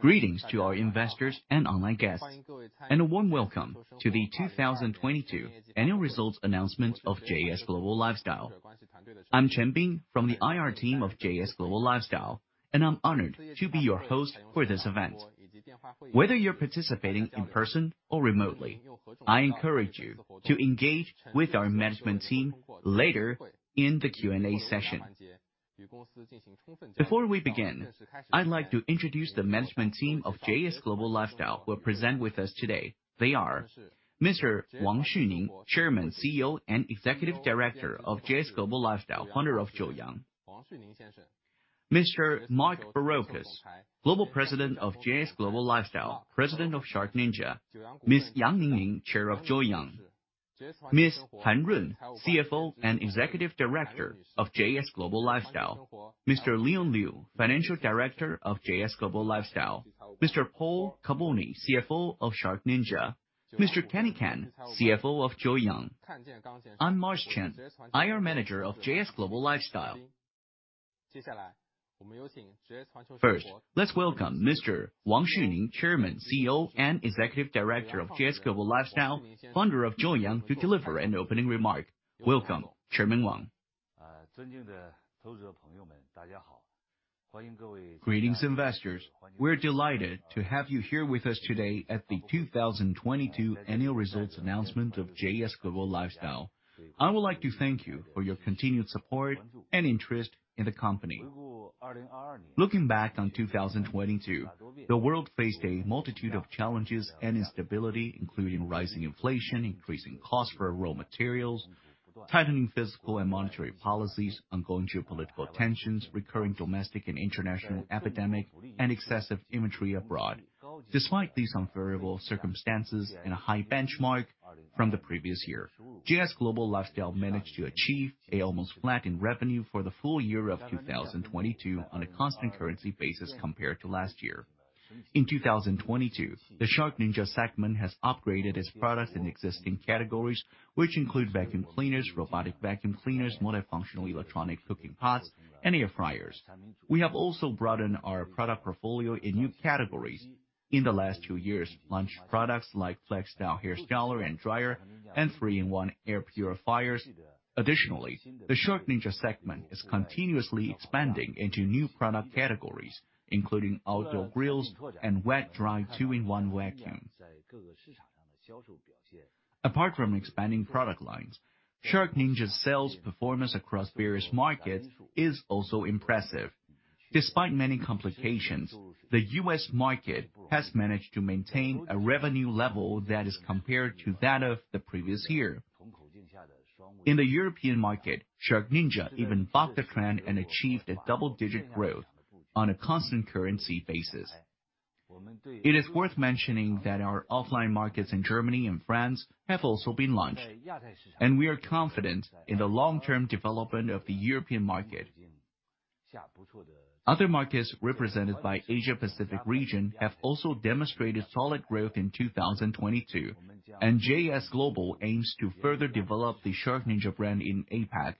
Greetings to our investors and online guests, and a warm welcome to the 2022 annual results announcement of JS Global Lifestyle. I'm Mars Chen from the IR team of JS Global Lifestyle, and I'm honored to be your host for this event. Whether you're participating in person or remotely, I encourage you to engage with our management team later in the Q&A session. Before we begin, I'd like to introduce the management team of JS Global Lifestyle who are present with us today. They are Mr. Wang Xuning, Chairman, CEO, and Executive Director of JS Global Lifestyle, founder of Joyoung. Mr. Mark Barrocas, Global President of JS Global Lifestyle, President of SharkNinja. Ms. Yang Ningning, Chair of Joyoung. Ms. Han Run, CFO and Executive Director of JS Global Lifestyle. Mr. Leon Liu, Financial Director of JS Global Lifestyle. Mr. Paul Carbone, CFO of SharkNinja. Mr. Kenny Kan, CFO of Joyoung. I'm Mars Chen, IR manager of JS Global Lifestyle. First, let's welcome Mr. Wang Xuning, Chairman, CEO, and Executive Director of JS Global Lifestyle, founder of Joyoung, to deliver an opening remark. Welcome, Chairman Wang. Greetings, investors. We're delighted to have you here with us today at the 2022 annual results announcement of JS Global Lifestyle. I would like to thank you for your continued support and interest in the company. Looking back on 2022, the world faced a multitude of challenges and instability, including rising inflation, increasing costs for raw materials, tightening fiscal and monetary policies, ongoing geopolitical tensions, recurring domestic and international epidemic, and excessive inventory abroad. Despite these unfavorable circumstances and a high benchmark from the previous year, JS Global Lifestyle managed to achieve a almost flat in revenue for the full year of 2022 on a constant currency basis compared to last year. In 2022, the SharkNinja segment has upgraded its products in existing categories, which include vacuum cleaners, robotic vacuum cleaners, multifunctional electronic cooking pots, and air fryers. We have also broadened our product portfolio in new categories. In the last two years, launched products like FlexStyle hair styler and dryer and 3-in-1 air purifiers. Additionally, the SharkNinja segment is continuously expanding into new product categories, including outdoor grills and wet/dry 2-in-1 vacuum. Apart from expanding product lines, SharkNinja's sales performance across various markets is also impressive. Despite many complications, the U.S. market has managed to maintain a revenue level that is compared to that of the previous year. In the European market, SharkNinja even bucked the trend and achieved a double-digit growth on a constant currency basis. It is worth mentioning that our offline markets in Germany and France have also been launched, and we are confident in the long-term development of the European market. Other markets represented by Asia-Pacific region have also demonstrated solid growth in 2022, and JS Global aims to further develop the SharkNinja brand in APAC.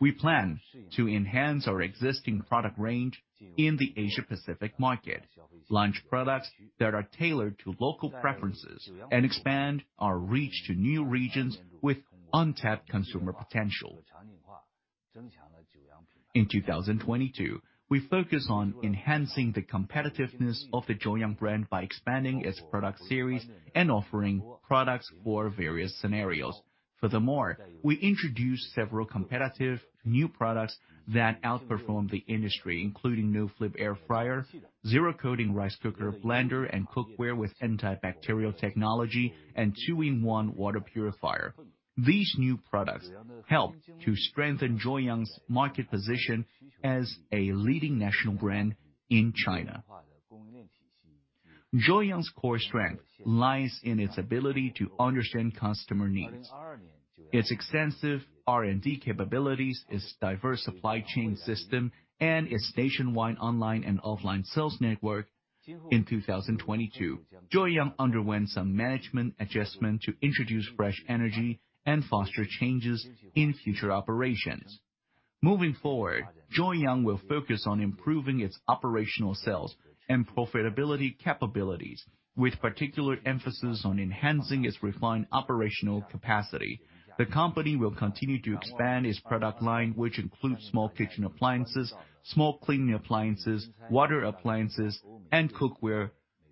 We plan to enhance our existing product range in the Asia-Pacific market, launch products that are tailored to local preferences, and expand our reach to new regions with untapped consumer potential. In 2022, we focused on enhancing the competitiveness of the Joyoung brand by expanding its product series and offering products for various scenarios. Furthermore, we introduced several competitive new products that outperformed the industry, including no-flip air fryer, zero-coating rice cooker, blender, and cookware with antibacterial technology, and two-in-one water purifier. These new products help to strengthen Joyoung's market position as a leading national brand in China. Joyoung's core strength lies in its ability to understand customer needs. Its extensive R&D capabilities, its diverse supply chain system, and its nationwide online and offline sales network. In 2022, Joyoung underwent some management adjustment to introduce fresh energy and foster changes in future operations. Moving forward, Joyoung will focus on improving its operational sales and profitability capabilities, with particular emphasis on enhancing its refined operational capacity. The company will continue to expand its product line, which includes small kitchen appliances, small cleaning appliances, water appliances, and cookware,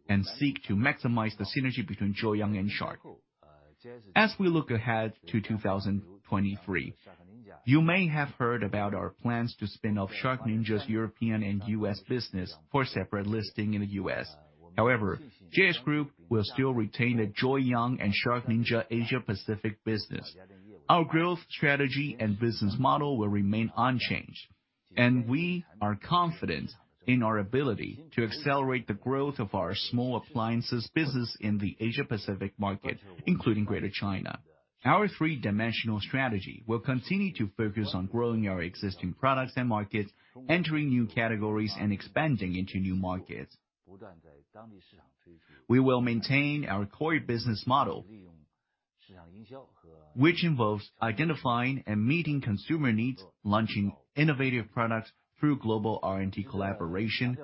and seek to maximize the synergy between Joyoung and Shark. As we look ahead to 2023, you may have heard about our plans to spin off SharkNinja's European and U.S. business for separate listing in the U.S. JS Group will still retain the Joyoung and SharkNinja Asia-Pacific business. Our growth strategy and business model will remain unchanged, and we are confident in our ability to accelerate the growth of our small appliances business in the Asia-Pacific market, including Greater China. Our three-dimensional strategy will continue to focus on growing our existing products and markets, entering new categories, and expanding into new markets. We will maintain our core business model, which involves identifying and meeting consumer needs, launching innovative products through global R&D collaboration,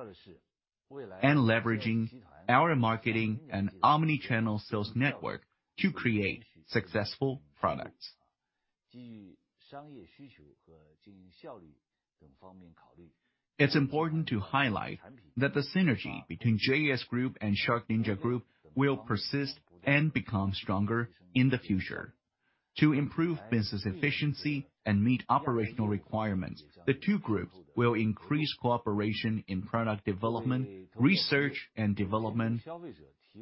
and leveraging our marketing and omni-channel sales network to create successful products. It's important to highlight that the synergy between JS Group and SharkNinja Group will persist and become stronger in the future. To improve business efficiency and meet operational requirements, the two groups will increase cooperation in product development, research and development,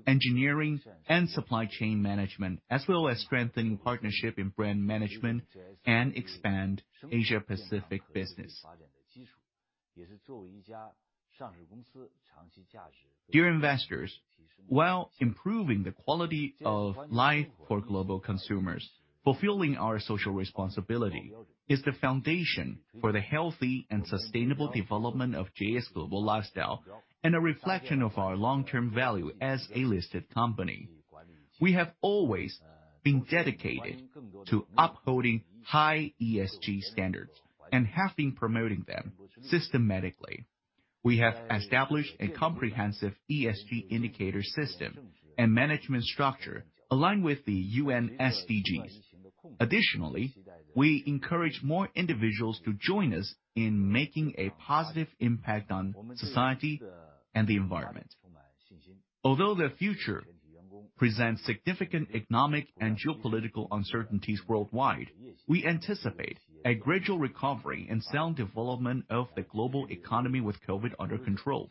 engineering, and supply chain management, as well as strengthening partnership in brand management and expand Asia-Pacific business. Dear investors, while improving the quality of life for global consumers, fulfilling our social responsibility is the foundation for the healthy and sustainable development of JS Global Lifestyle, and a reflection of our long-term value as a listed company. We have always been dedicated to upholding high ESG standards and have been promoting them systematically. We have established a comprehensive ESG indicator system and management structure aligned with the UN SDGs. Additionally, we encourage more individuals to join us in making a positive impact on society and the environment. The future presents significant economic and geopolitical uncertainties worldwide, we anticipate a gradual recovery and sound development of the global economy with COVID under control.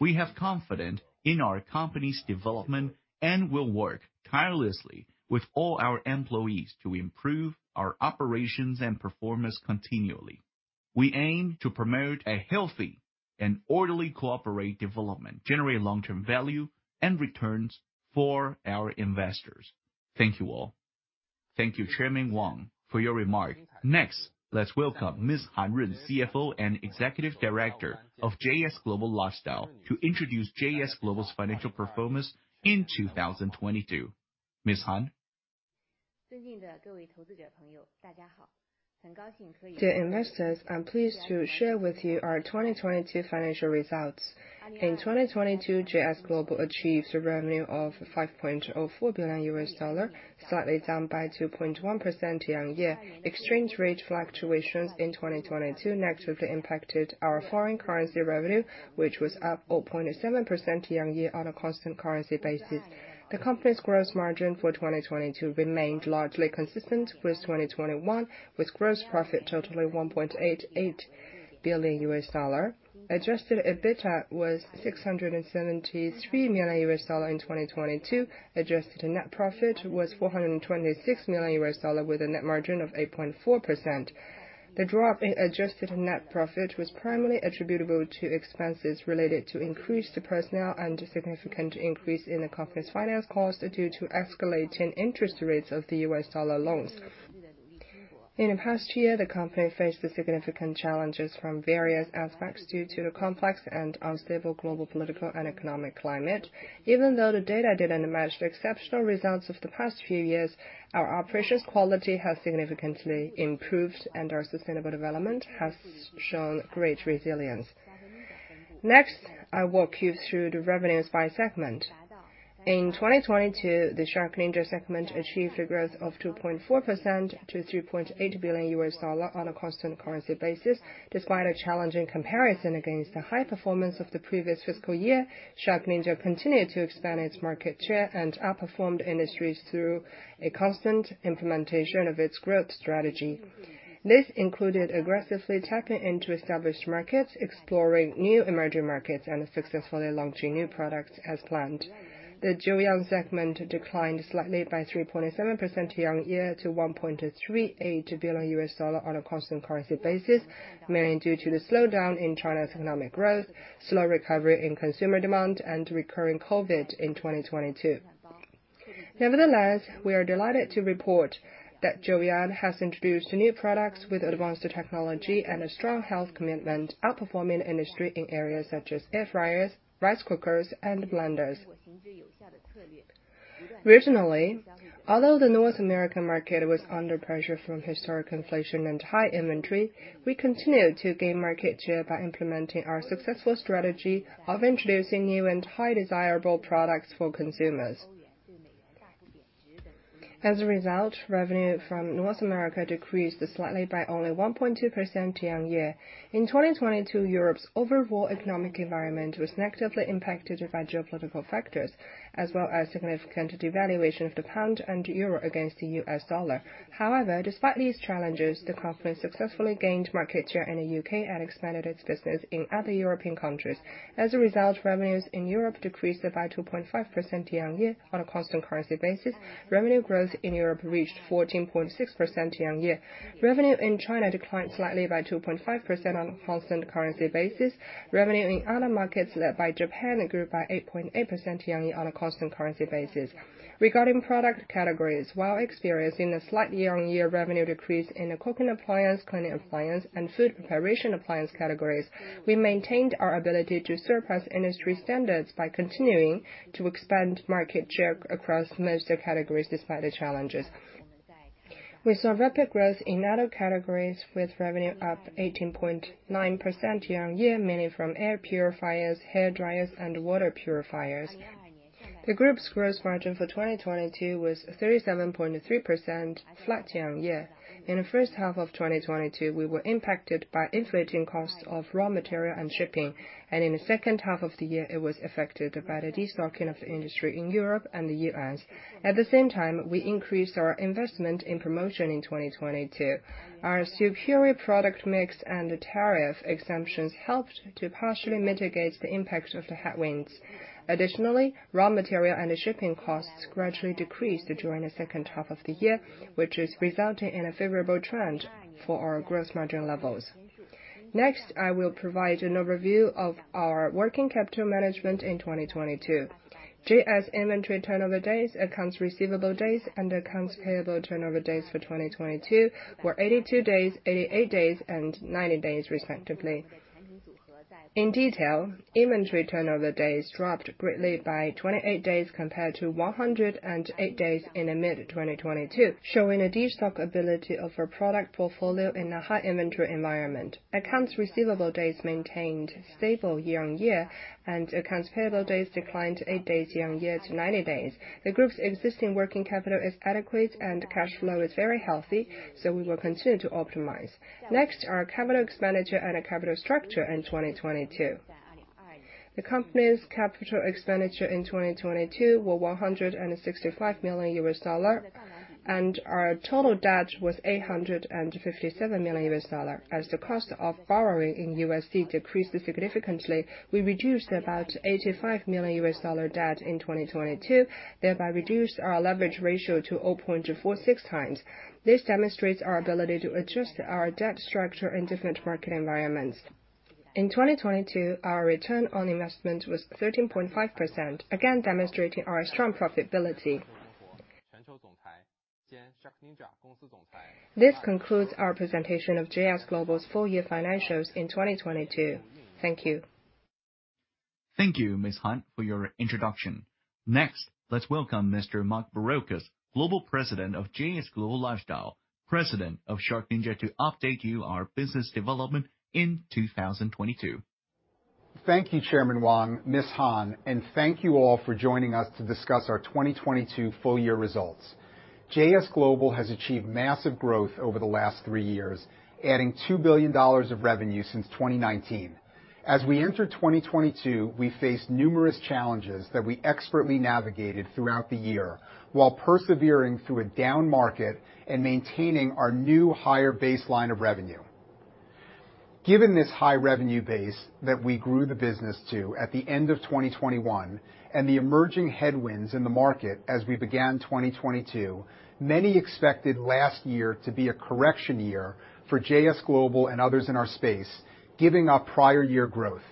We have confidence in our company's development and will work tirelessly with all our employees to improve our operations and performance continually. We aim to promote a healthy and orderly corporate development, generate long-term value and returns for our investors. Thank you all. Thank you, Chairman Wang, for your remarks. Next, let's welcome Ms. Han Run, CFO and Executive Director of JS Global Lifestyle to introduce JS Global's financial performance in 2022. Ms. Han? Dear investors, I'm pleased to share with you our 2022 financial results. In 2022, JS Global achieved a revenue of $5.04 billion, slightly down by 2.1% year-on-year. Exchange rate fluctuations in 2022 negatively impacted our foreign currency revenue, which was up 0.7% year-on-year on a constant currency basis. The company's gross margin for 2022 remained largely consistent with 2021, with gross profit totaling $1.88 billion. Adjusted EBITDA was $673 million in 2022. Adjusted net profit was $426 million, with a net margin of 8.4%. The drop in adjusted net profit was primarily attributable to expenses related to increased personnel and a significant increase in the company's finance cost due to escalating interest rates of the U.S dollar loans. In the past year, the company faced significant challenges from various aspects due to the complex and unstable global political and economic climate. Even though the data didn't match the exceptional results of the past few years, our operations quality has significantly improved and our sustainable development has shown great resilience. I walk you through the revenues by segment. In 2022, the SharkNinja segment achieved a growth of 2.4% to $3.8 billion on a constant currency basis. Despite a challenging comparison against the high performance of the previous fiscal year, SharkNinja continued to expand its market share and outperformed industries through a constant implementation of its growth strategy. This included aggressively tapping into established markets, exploring new emerging markets, and successfully launching new products as planned. The Joyoung segment declined slightly by 3.7% year-on-year to $1.38 billion on a constant currency basis, mainly due to the slowdown in China's economic growth, slow recovery in consumer demand, and recurring COVID in 2022. Nevertheless, we are delighted to report that Joyoung has introduced new products with advanced technology and a strong health commitment, outperforming industry in areas such as air fryers, rice cookers, and blenders. Regionally, although the North American market was under pressure from historic inflation and high inventory, we continued to gain market share by implementing our successful strategy of introducing new and high desirable products for consumers. As a result, revenue from North America decreased slightly by only 1.2% year-on-year. In 2022, Europe's overall economic environment was negatively impacted by geopolitical factors, as well as significant devaluation of the pound and euro against the US dollar. However, despite these challenges, the company successfully gained market share in the U.K. and expanded its business in other European countries. As a result, revenues in Europe decreased by 2.5% year-on-year on a constant currency basis. Revenue growth in Europe reached 14.6% year-on-year. Revenue in China declined slightly by 2.5% on a constant currency basis. Revenue in other markets, led by Japan, grew by 8.8% year-on-year on a constant currency basis. Regarding product categories, while experiencing a slight year-on-year revenue decrease in the cooking appliance, cleaning appliance, and food preparation appliance categories, we maintained our ability to surpass industry standards by continuing to expand market share across most categories despite the challenges. We saw rapid growth in other categories with revenue up 18.9% year-on-year, mainly from air purifiers, hair dryers, and water purifiers. The group's gross margin for 2022 was 37.3%, flat year-on-year. In the first half of 2022, we were impacted by inflating costs of raw material and shipping. In the second half of the year, it was affected by the destocking of the industry in Europe and the U.S. At the same time, we increased our investment in promotion in 2022. Our superior product mix and tariff exemptions helped to partially mitigate the impact of the headwinds. Additionally, raw material and shipping costs gradually decreased during the second half of the year, which is resulting in a favorable trend for our gross margin levels. Next, I will provide an overview of our working capital management in 2022. JS inventory turnover days, accounts receivable days, and accounts payable turnover days for 2022 were 82 days, 88 days, and 90 days respectively. In detail, inventory turnover days dropped greatly by 28 days compared to 108 days in the mid-2022, showing a destock ability of our product portfolio in a high inventory environment. Accounts receivable days maintained stable year-on-year, and accounts payable days declined 8 days year-on-year to 90 days. The group's existing working capital is adequate and cash flow is very healthy. We will continue to optimize. Next, our capital expenditure and capital structure in 2022. The company's capital expenditure in 2022 were $165 million. Our total debt was $857 million. As the cost of borrowing in USD decreased significantly, we reduced about $85 million debt in 2022, thereby reduced our leverage ratio to 0.46x. This demonstrates our ability to adjust our debt structure in different market environments. In 2022, our return on investment was 13.5%, again demonstrating our strong profitability. This concludes our presentation of JS Global's full year financials in 2022. Thank you. Thank you, Ms. Han, for your introduction. Next, let's welcome Mr. Mark Barrocas, Global President of JS Global Lifestyle, President of SharkNinja, to update you our business development in 2022. Thank you, Chairman Wang, Ms. Han, thank you all for joining us to discuss our 2022 full year results. JS Global has achieved massive growth over the last three years, adding $2 billion of revenue since 2019. As we enter 2022, we face numerous challenges that we expertly navigated throughout the year while persevering through a down market and maintaining our new higher baseline of revenue. Given this high revenue base that we grew the business to at the end of 2021 and the emerging headwinds in the market as we began 2022, many expected last year to be a correction year for JS Global and others in our space, giving our prior year growth.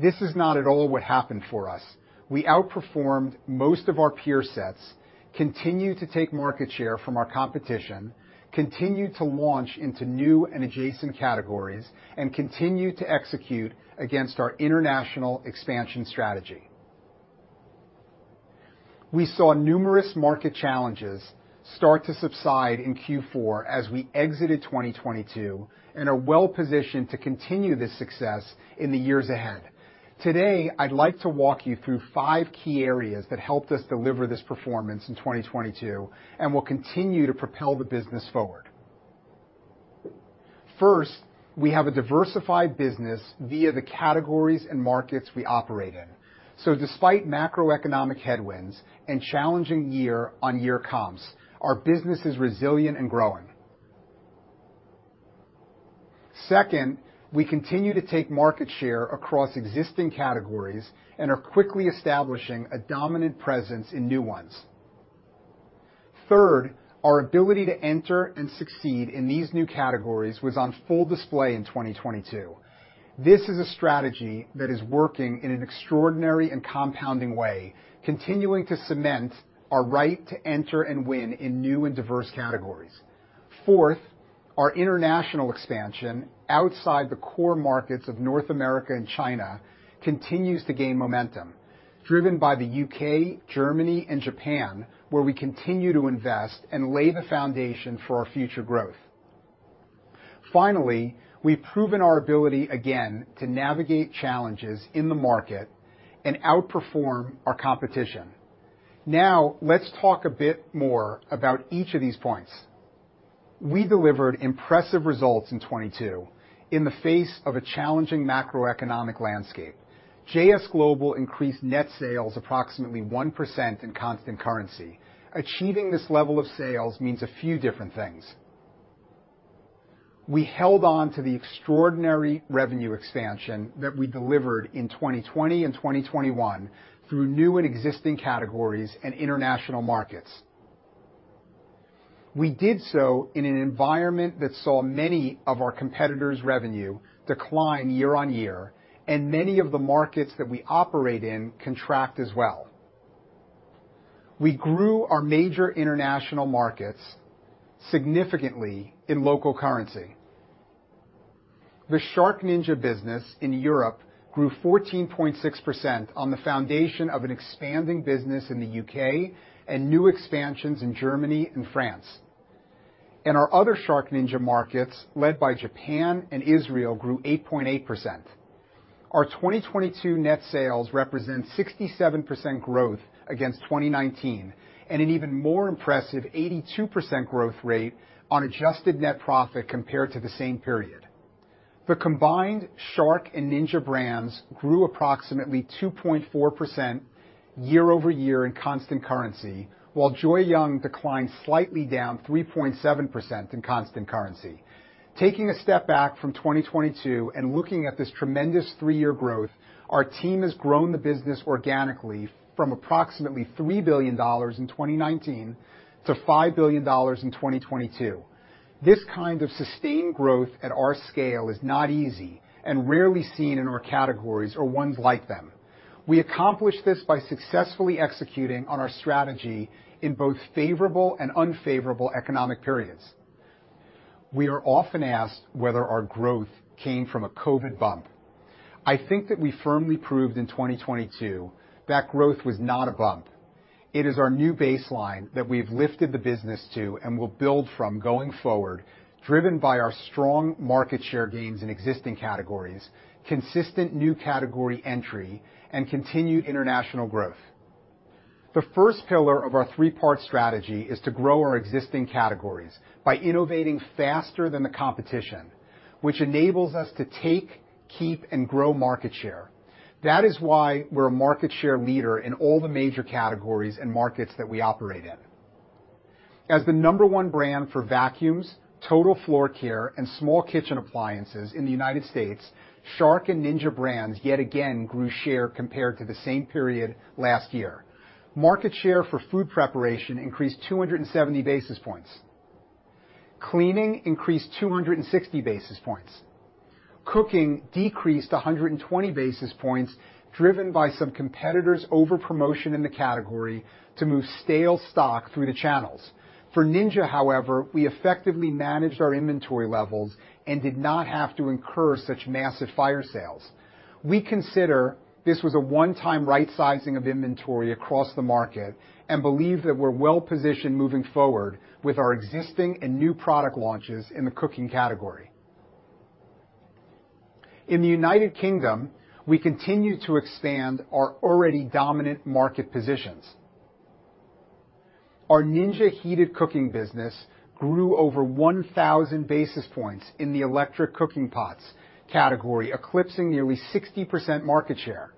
This is not at all what happened for us. We outperformed most of our peer sets, continued to take market share from our competition, continued to launch into new and adjacent categories, and continued to execute against our international expansion strategy. We saw numerous market challenges start to subside in Q4 as we exited 2022 and are well-positioned to continue this success in the years ahead. Today, I'd like to walk you through five key areas that helped us deliver this performance in 2022 and will continue to propel the business forward. First, we have a diversified business via the categories and markets we operate in. Despite macroeconomic headwinds and challenging year-over-year comps, our business is resilient and growing. Second, we continue to take market share across existing categories and are quickly establishing a dominant presence in new ones. Third, our ability to enter and succeed in these new categories was on full display in 2022. This is a strategy that is working in an extraordinary and compounding way, continuing to cement our right to enter and win in new and diverse categories. Fourth, our international expansion outside the core markets of North America and China continues to gain momentum, driven by the U.K., Germany, and Japan, where we continue to invest and lay the foundation for our future growth. Finally, we've proven our ability again to navigate challenges in the market and outperform our competition. Now, let's talk a bit more about each of these points. We delivered impressive results in 2022 in the face of a challenging macroeconomic landscape. JS Global increased net sales approximately 1% in constant currency. Achieving this level of sales means a few different things. We held on to the extraordinary revenue expansion that we delivered in 2020 and 2021 through new and existing categories and international markets. We did so in an environment that saw many of our competitors' revenue decline year-on-year and many of the markets that we operate in contract as well. We grew our major international markets significantly in local currency. The SharkNinja business in Europe grew 14.6% on the foundation of an expanding business in the U.K. and new expansions in Germany and France. In our other SharkNinja markets, led by Japan and Israel, grew 8.8%. Our 2022 net sales represent 67% growth against 2019, and an even more impressive 82% growth rate on adjusted net profit compared to the same period. The combined Shark and Ninja brands grew approximately 2.4% year-over-year in constant currency, while Joyoung declined slightly down 3.7% in constant currency. Taking a step back from 2022 and looking at this tremendous three-year growth, our team has grown the business organically from approximately $3 billion in 2019 to $5 billion in 2022. This kind of sustained growth at our scale is not easy and rarely seen in our categories or ones like them. We accomplish this by successfully executing on our strategy in both favorable and unfavorable economic periods. We are often asked whether our growth came from a COVID bump. I think that I firmly proved in 2022 that growth was not a bump. It is our new baseline that we've lifted the business to and will build from going forward, driven by our strong market share gains in existing categories, consistent new category entry, and continued international growth. The first pillar of our three-part strategy is to grow our existing categories by innovating faster than the competition, which enables us to take, keep, and grow market share. That is why we're a market share leader in all the major categories and markets that we operate in. As the number 1 brand for vacuums, total floor care, and small kitchen appliances in the United States, Shark and Ninja brands yet again grew share compared to the same period last year. Market share for food preparation increased 270 basis points. Cleaning increased 260 basis points. Cooking decreased 120 basis points, driven by some competitors' over-promotion in the category to move stale stock through the channels. For Ninja, however, we effectively managed our inventory levels and did not have to incur such massive fire sales. We consider this was a one-time right-sizing of inventory across the market and believe that we're well-positioned moving forward with our existing and new product launches in the cooking category. In the United Kingdom, we continue to expand our already dominant market positions. Our Ninja heated cooking business grew over 1,000 basis points in the electric cooking pots category, eclipsing nearly 60% market share.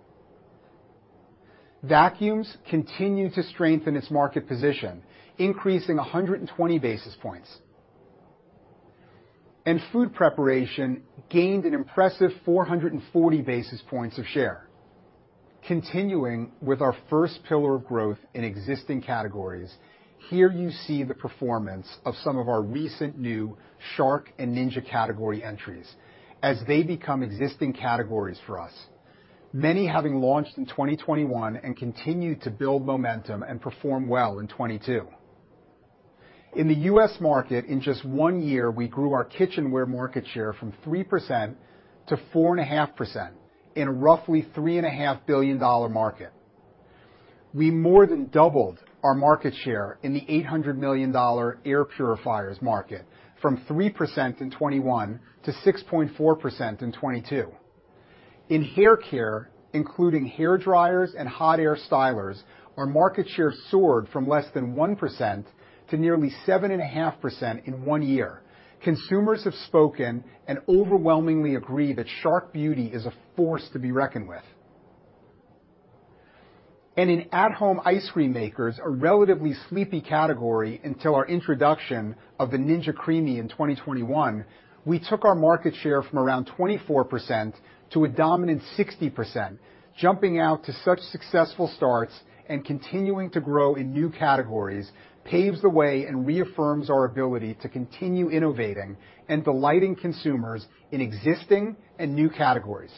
Vacuums continue to strengthen its market position, increasing 120 basis points. Food preparation gained an impressive 440 basis points of share. Continuing with our first pillar of growth in existing categories, here you see the performance of some of our recent new Shark and Ninja category entries as they become existing categories for us, many having launched in 2021 and continue to build momentum and perform well in 2022. In the U.S. market, in just one year, we grew our kitchenware market share from 3%-4.5% in a roughly $3.5 billion market. We more than doubled our market share in the $800 million air purifiers market from 3% in 2021 to 6.4% in 2022. In hair care, including hair dryers and hot air stylers, our market share soared from less than 1% to nearly 7.5% in one year. Consumers have spoken and overwhelmingly agree that Shark Beauty is a force to be reckoned with. In at-home ice cream makers, a relatively sleepy category until our introduction of the Ninja CREAMi in 2021, we took our market share from around 24% to a dominant 60%. Jumping out to such successful starts and continuing to grow in new categories paves the way and reaffirms our ability to continue innovating and delighting consumers in existing and new categories.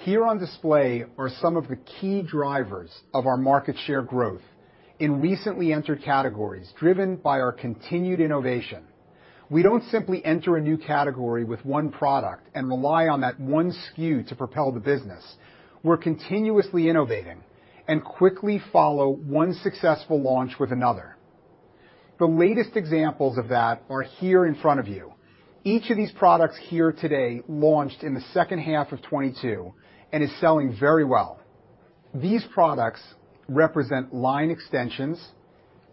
Here on display are some of the key drivers of our market share growth in recently entered categories driven by our continued innovation. We don't simply enter a new category with one product and rely on that one SKU to propel the business. We're continuously innovating and quickly follow one successful launch with another. The latest examples of that are here in front of you. Each of these products here today launched in the second half of 2022 and is selling very well. These products represent line extensions,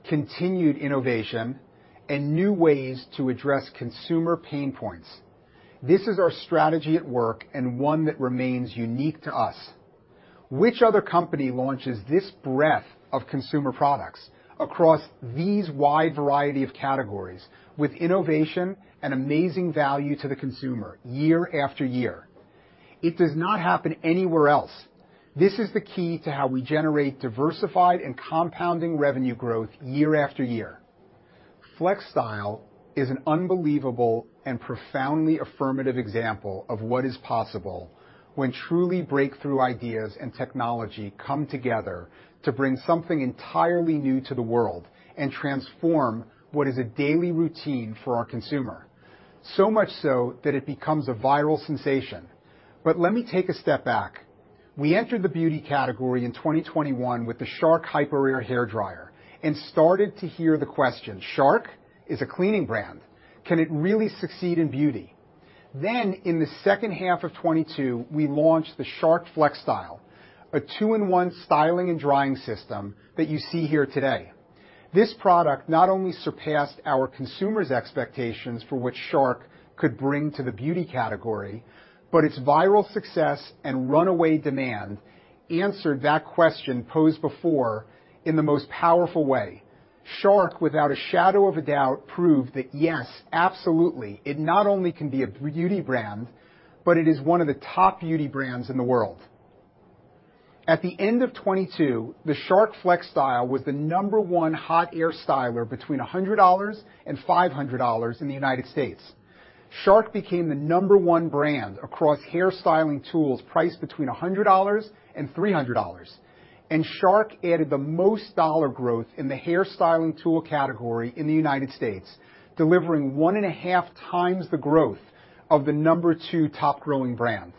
continued innovation, and new ways to address consumer pain points. This is our strategy at work and one that remains unique to us. Which other company launches this breadth of consumer products across these wide variety of categories with innovation and amazing value to the consumer year after year? It does not happen anywhere else. This is the key to how we generate diversified and compounding revenue growth year after year. FlexStyle is an unbelievable and profoundly affirmative example of what is possible when truly breakthrough ideas and technology come together to bring something entirely new to the world and transform what is a daily routine for our consumer. So much so that it becomes a viral sensation. Let me take a step back. We entered the beauty category in 2021 with the Shark HyperAIR hair dryer and started to hear the question, "Shark is a cleaning brand. Can it really succeed in beauty?" In the second half of 2022, we launched the Shark FlexStyle, a two-in-one styling and drying system that you see here today. This product not only surpassed our consumers' expectations for what Shark could bring to the beauty category, but its viral success and runaway demand answered that question posed before in the most powerful way. Shark, without a shadow of a doubt, proved that yes, absolutely, it not only can be a beauty brand, but it is one of the top beauty brands in the world. At the end of 2022, the Shark FlexStyle was the number one hot air styler between $100 and $500 in the United States. Shark became the number one brand across hair styling tools priced between $100 and $300. Shark added the most dollar growth in the hair styling tool category in the U.S., delivering 1.5xs the growth of the number two top growing brand.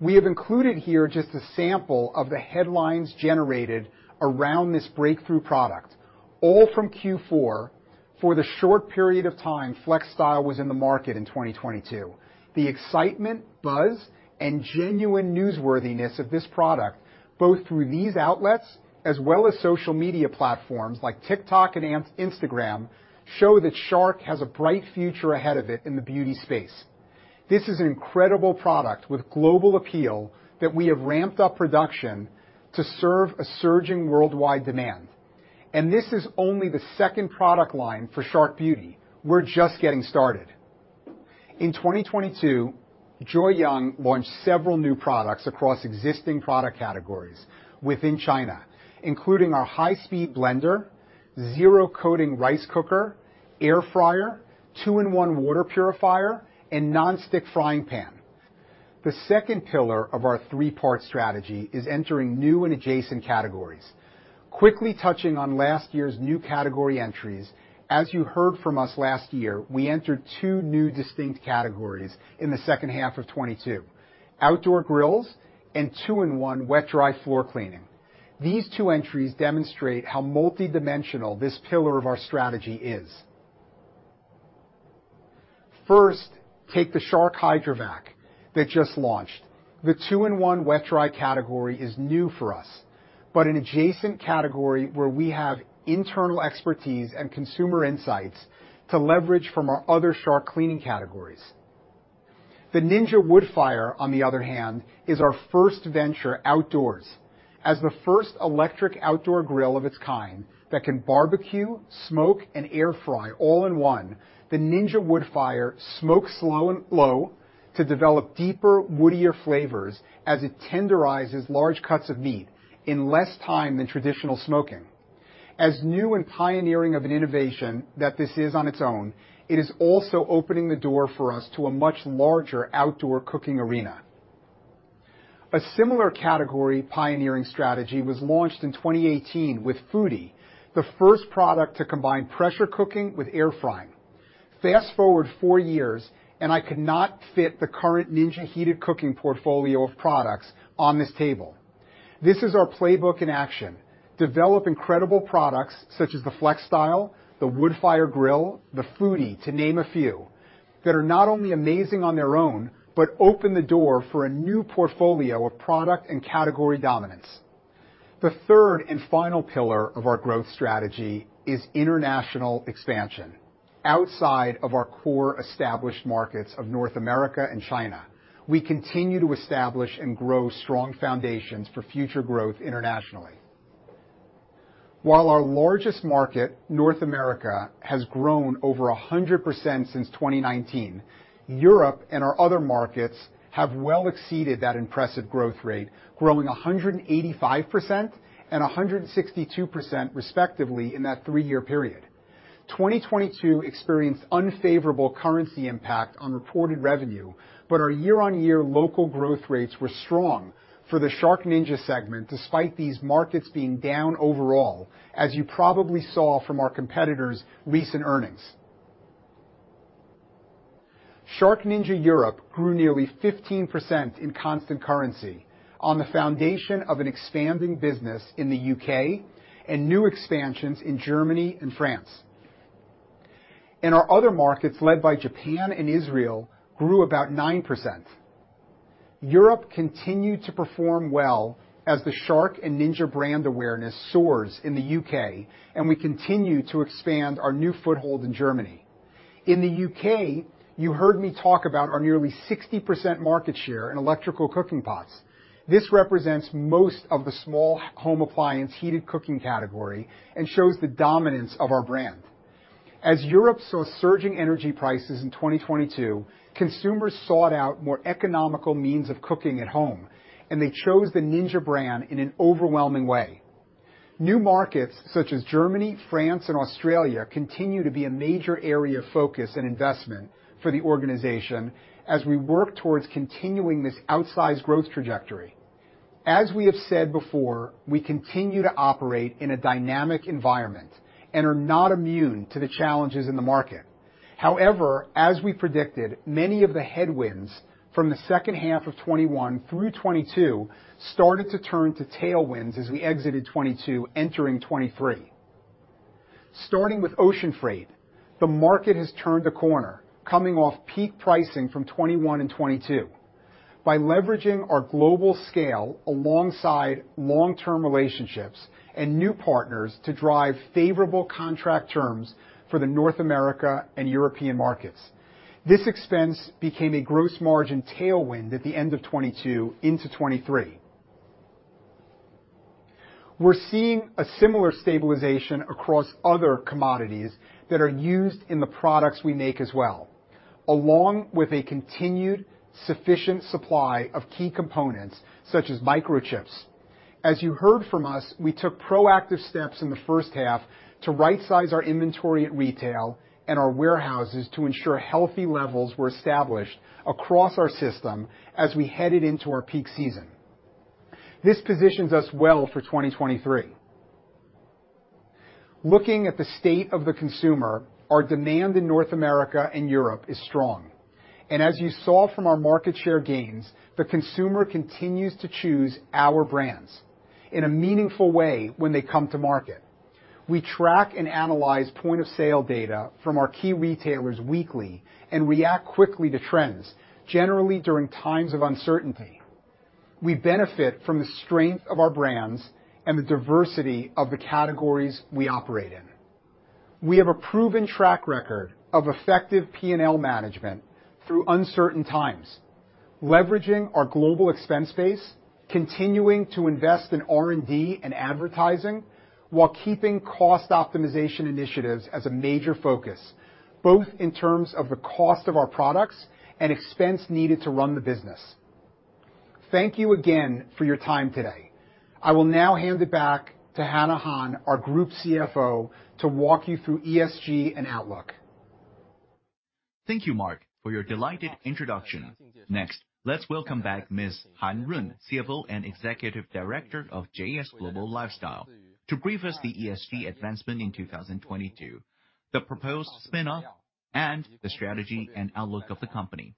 We have included here just a sample of the headlines generated around this breakthrough product, all from Q4 for the short period of time FlexStyle was in the market in 2022. The excitement, buzz, and genuine newsworthiness of this product, both through these outlets as well as social media platforms like TikTok and Instagram, show that Shark has a bright future ahead of it in the beauty space. This is an incredible product with global appeal that we have ramped up production to serve a surging worldwide demand. This is only the second product line for Shark Beauty. We're just getting started. In 2022, Joyoung launched several new products across existing product categories within China, including our high-speed blender, zero-coating rice cooker, air fryer, two-in-one water purifier, and non-stick frying pan. The second pillar of our three-part strategy is entering new and adjacent categories. Quickly touching on last year's new category entries, as you heard from us last year, we entered two new distinct categories in the second half of 2022: outdoor grills and 2-in-1 wet/dry floor cleaning. These two entries demonstrate how multidimensional this pillar of our strategy is. First, take the Shark HydroVac that just launched. The 2-in-1 wet/dry category is new for us, but an adjacent category where we have internal expertise and consumer insights to leverage from our other Shark cleaning categories. The Ninja Woodfire, on the other hand, is our first venture outdoors. As the first electric outdoor grill of its kind that can barbecue, smoke, and air fry all in one, the Ninja Woodfire smokes slow and low to develop deeper, woodier flavors as it tenderizes large cuts of meat in less time than traditional smoking. As new and pioneering of an innovation that this is on its own, it is also opening the door for us to a much larger outdoor cooking arena. A similar category pioneering strategy was launched in 2018 with Foodi, the first product to combine pressure cooking with air frying. Fast-forward four years, I could not fit the current Ninja heated cooking portfolio of products on this table. This is our playbook in action. Develop incredible products such as the FlexStyle, the Woodfire Grill, the Foodi, to name a few, that are not only amazing on their own, but open the door for a new portfolio of product and category dominance. The third and final pillar of our growth strategy is international expansion. Outside of our core established markets of North America and China, we continue to establish and grow strong foundations for future growth internationally. While our largest market, North America, has grown over 100% since 2019, Europe and our other markets have well exceeded that impressive growth rate, growing 185% and 162% respectively in that three-year period. 2022 experienced unfavorable currency impact on reported revenue, our year-on-year local growth rates were strong for the SharkNinja segment despite these markets being down overall, as you probably saw from our competitors' recent earnings. SharkNinja Europe grew nearly 15% in constant currency on the foundation of an expanding business in the U.K. and new expansions in Germany and France. In our other markets, led by Japan and Israel, grew about 9%. Europe continued to perform well as the Shark and Ninja brand awareness soars in the U.K., we continue to expand our new foothold in Germany. In the U.K., you heard me talk about our nearly 60% market share in electrical cooking pots. This represents most of the small home appliance heated cooking category and shows the dominance of our brand. As Europe saw surging energy prices in 2022, consumers sought out more economical means of cooking at home, and they chose the Ninja brand in an overwhelming way. New markets such as Germany, France, and Australia continue to be a major area of focus and investment for the organization as we work towards continuing this outsized growth trajectory. As we have said before, we continue to operate in a dynamic environment and are not immune to the challenges in the market. However, as we predicted, many of the headwinds from the second half of 2021 through 2022 started to turn to tailwinds as we exited 2022, entering 2023. Starting with ocean freight, the market has turned a corner, coming off peak pricing from 2021 and 2022. By leveraging our global scale alongside long-term relationships and new partners to drive favorable contract terms for the North America and European markets. This expense became a gross margin tailwind at the end of 2022 into 2023. We're seeing a similar stabilization across other commodities that are used in the products we make as well, along with a continued sufficient supply of key components such as microchips. As you heard from us, we took proactive steps in the first half to right-size our inventory at retail and our warehouses to ensure healthy levels were established across our system as we headed into our peak season. This positions us well for 2023. Looking at the state of the consumer, our demand in North America and Europe is strong. As you saw from our market share gains, the consumer continues to choose our brands in a meaningful way when they come to market. We track and analyze point-of-sale data from our key retailers weekly and react quickly to trends, generally during times of uncertainty. We benefit from the strength of our brands and the diversity of the categories we operate in. We have a proven track record of effective P&L management through uncertain times, leveraging our global expense base, continuing to invest in R&D and advertising while keeping cost optimization initiatives as a major focus, both in terms of the cost of our products and expense needed to run the business. Thank you again for your time today. I will now hand it back to Han Run, our Group CFO, to walk you through ESG and outlook. Thank you, Mark, for your delighted introduction. Let's welcome back Ms. Han Run, CFO and Executive Director of JS Global Lifestyle, to brief us the ESG advancement in 2022, the proposed spin-off and the strategy and outlook of the company.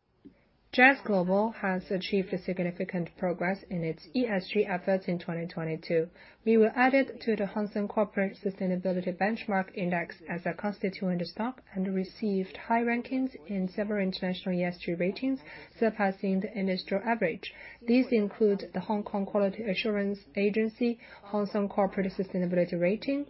JS Global has achieved a significant progress in its ESG efforts in 2022. We were added to the Hang Seng Corporate Sustainability Benchmark Index as a constituent stock and received high rankings in several international ESG ratings, surpassing the industrial average. These include the Hong Kong Quality Assurance Agency, Hong Kong Corporate Sustainability Rating,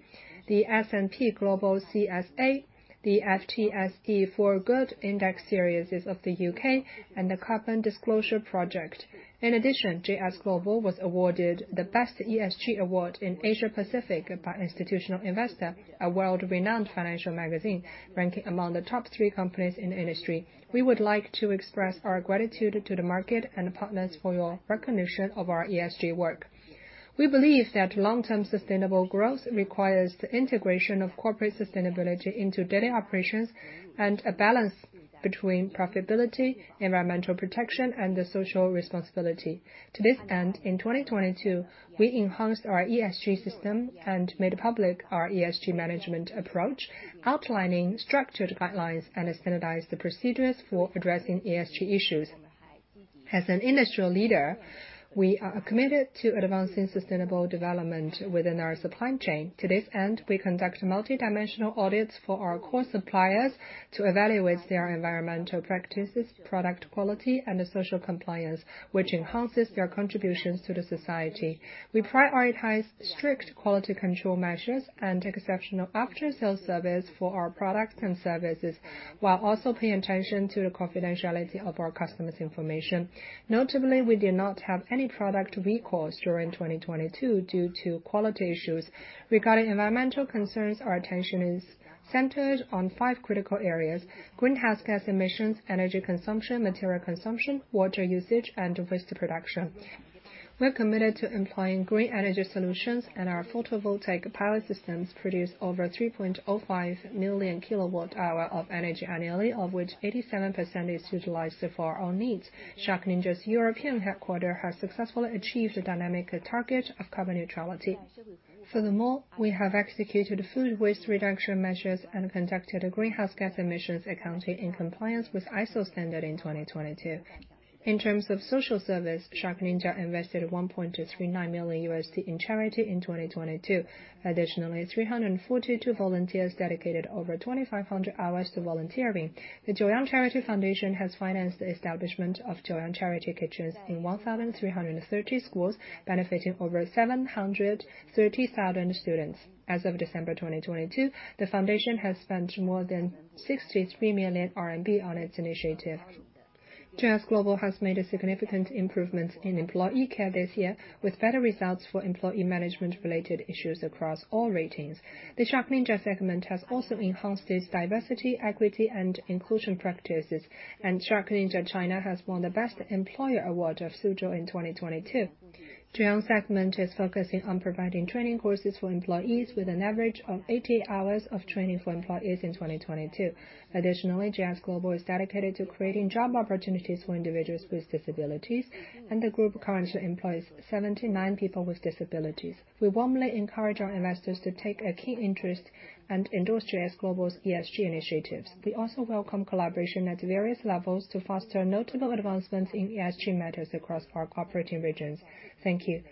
the S&P Global CSA, the FTSE4Good Index Series of the U.K., and the Carbon Disclosure Project. In addition, JS Global was awarded the Best ESG award in Asia-Pacific by Institutional Investor, a world-renowned financial magazine, ranking among the top three companies in the industry. We would like to express our gratitude to the market and partners for your recognition of our ESG work. We believe that long-term sustainable growth requires the integration of corporate sustainability into daily operations and a balance between profitability, environmental protection, and the social responsibility. To this end, in 2022, we enhanced our ESG system and made public our ESG management approach, outlining structured guidelines and standardized procedures for addressing ESG issues. As an industrial leader, we are committed to advancing sustainable development within our supply chain. To this end, we conduct multidimensional audits for our core suppliers to evaluate their environmental practices, product quality, and social compliance, which enhances their contributions to the society. We prioritize strict quality control measures and exceptional after-sales service for our products and services, while also paying attention to the confidentiality of our customers' information. Notably, we did not have any product recalls during 2022 due to quality issues. Regarding environmental concerns, our attention is centered on five critical areas: greenhouse gas emissions, energy consumption, material consumption, water usage, and waste production. We're committed to employing green energy solutions, and our photovoltaic pilot systems produce over 3.05 million kWh of energy annually, of which 87% is utilized for our own needs. SharkNinja's European headquarter has successfully achieved a dynamic target of carbon neutrality. Furthermore, we have executed food waste reduction measures and conducted a greenhouse gas emissions accounting in compliance with ISO standard in 2022. In terms of social service, SharkNinja invested $1.39 million in charity in 2022. Additionally, 342 volunteers dedicated over 2,500 hours to volunteering. The Joyoung Foundation has financed the establishment of Joyoung charity kitchens in 1,330 schools, benefiting over 730,000 students. As of December 2022, the foundation has spent more than 63 million RMB on its initiative. JS Global has made a significant improvements in employee care this year with better results for employee management related issues across all ratings. The SharkNinja segment has also enhanced its diversity, equity and inclusion practices, SharkNinja China has won the Best Employer Award of Suzhou in 2022. Joyoung segment is focusing on providing training courses for employees with an average of 80 hours of training for employees in 2022. Additionally, JS Global is dedicated to creating job opportunities for individuals with disabilities, the group currently employs 79 people with disabilities. We warmly encourage our investors to take a key interest and endorse JS Global's ESG initiatives. We also welcome collaboration at various levels to foster notable advancements in ESG matters across our cooperating regions. Thank you.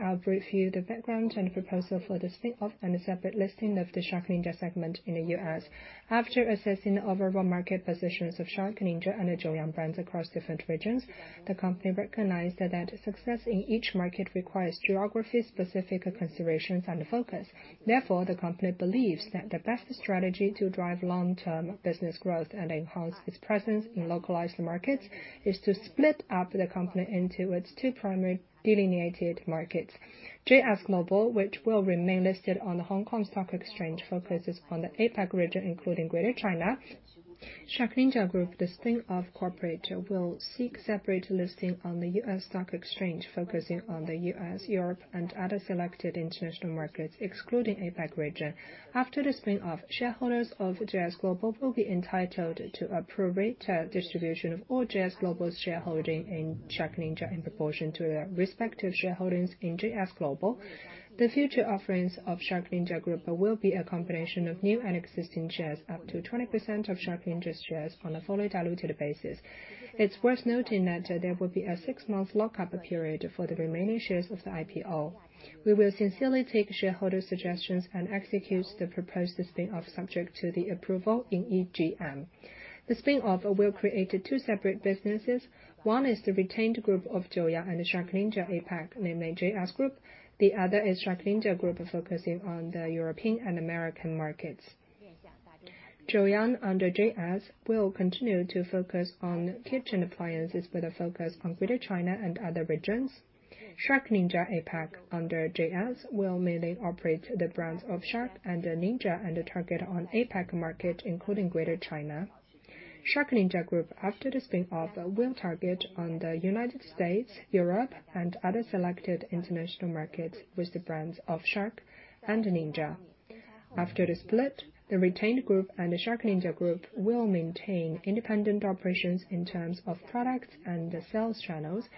I'll brief you the background and proposal for the spin-off and separate listing of the SharkNinja segment in the US. After assessing the overall market positions of SharkNinja and the Joyoung brands across different regions, the company recognized that success in each market requires geography-specific considerations and focus. The company believes that the best strategy to drive long-term business growth and enhance its presence in localized markets is to split up the company into its two primary delineated markets. JS Global, which will remain listed on the Hong Kong Stock Exchange, focuses on the APAC region, including Greater China. SharkNinja Group, the spin-off corporate, will seek separate listing on the U.S. Stock Exchange, focusing on the U.S., Europe, and other selected international markets, excluding APAC region. After the spin-off, shareholders of JS Global will be entitled to a pro rata distribution of all JS Global's shareholding in SharkNinja in proportion to their respective shareholdings in JS Global. The future offerings of SharkNinja Group will be a combination of new and existing shares, up to 20% of SharkNinja's shares on a fully diluted basis. It's worth noting that there will be a six-month lock-up period for the remaining shares of the IPO. We will sincerely take shareholder suggestions and execute the proposed spin-off subject to the approval in EGM. The spin-off will create two separate businesses. One is the retained group of Joyoung and SharkNinja APAC, namely JS Global. The other is SharkNinja Group, focusing on the European and American markets. Joyoung under JS Global will continue to focus on kitchen appliances with a focus on Greater China and other regions. SharkNinja APAC under JS will mainly operate the brands of Shark and Ninja and target on APAC market, including Greater China. SharkNinja Group, after the spin-off, will target on the United States, Europe, and other selected international markets with the brands of Shark and Ninja. After the split, the retained group and the SharkNinja Group will maintain independent operations in terms of products and sales channels,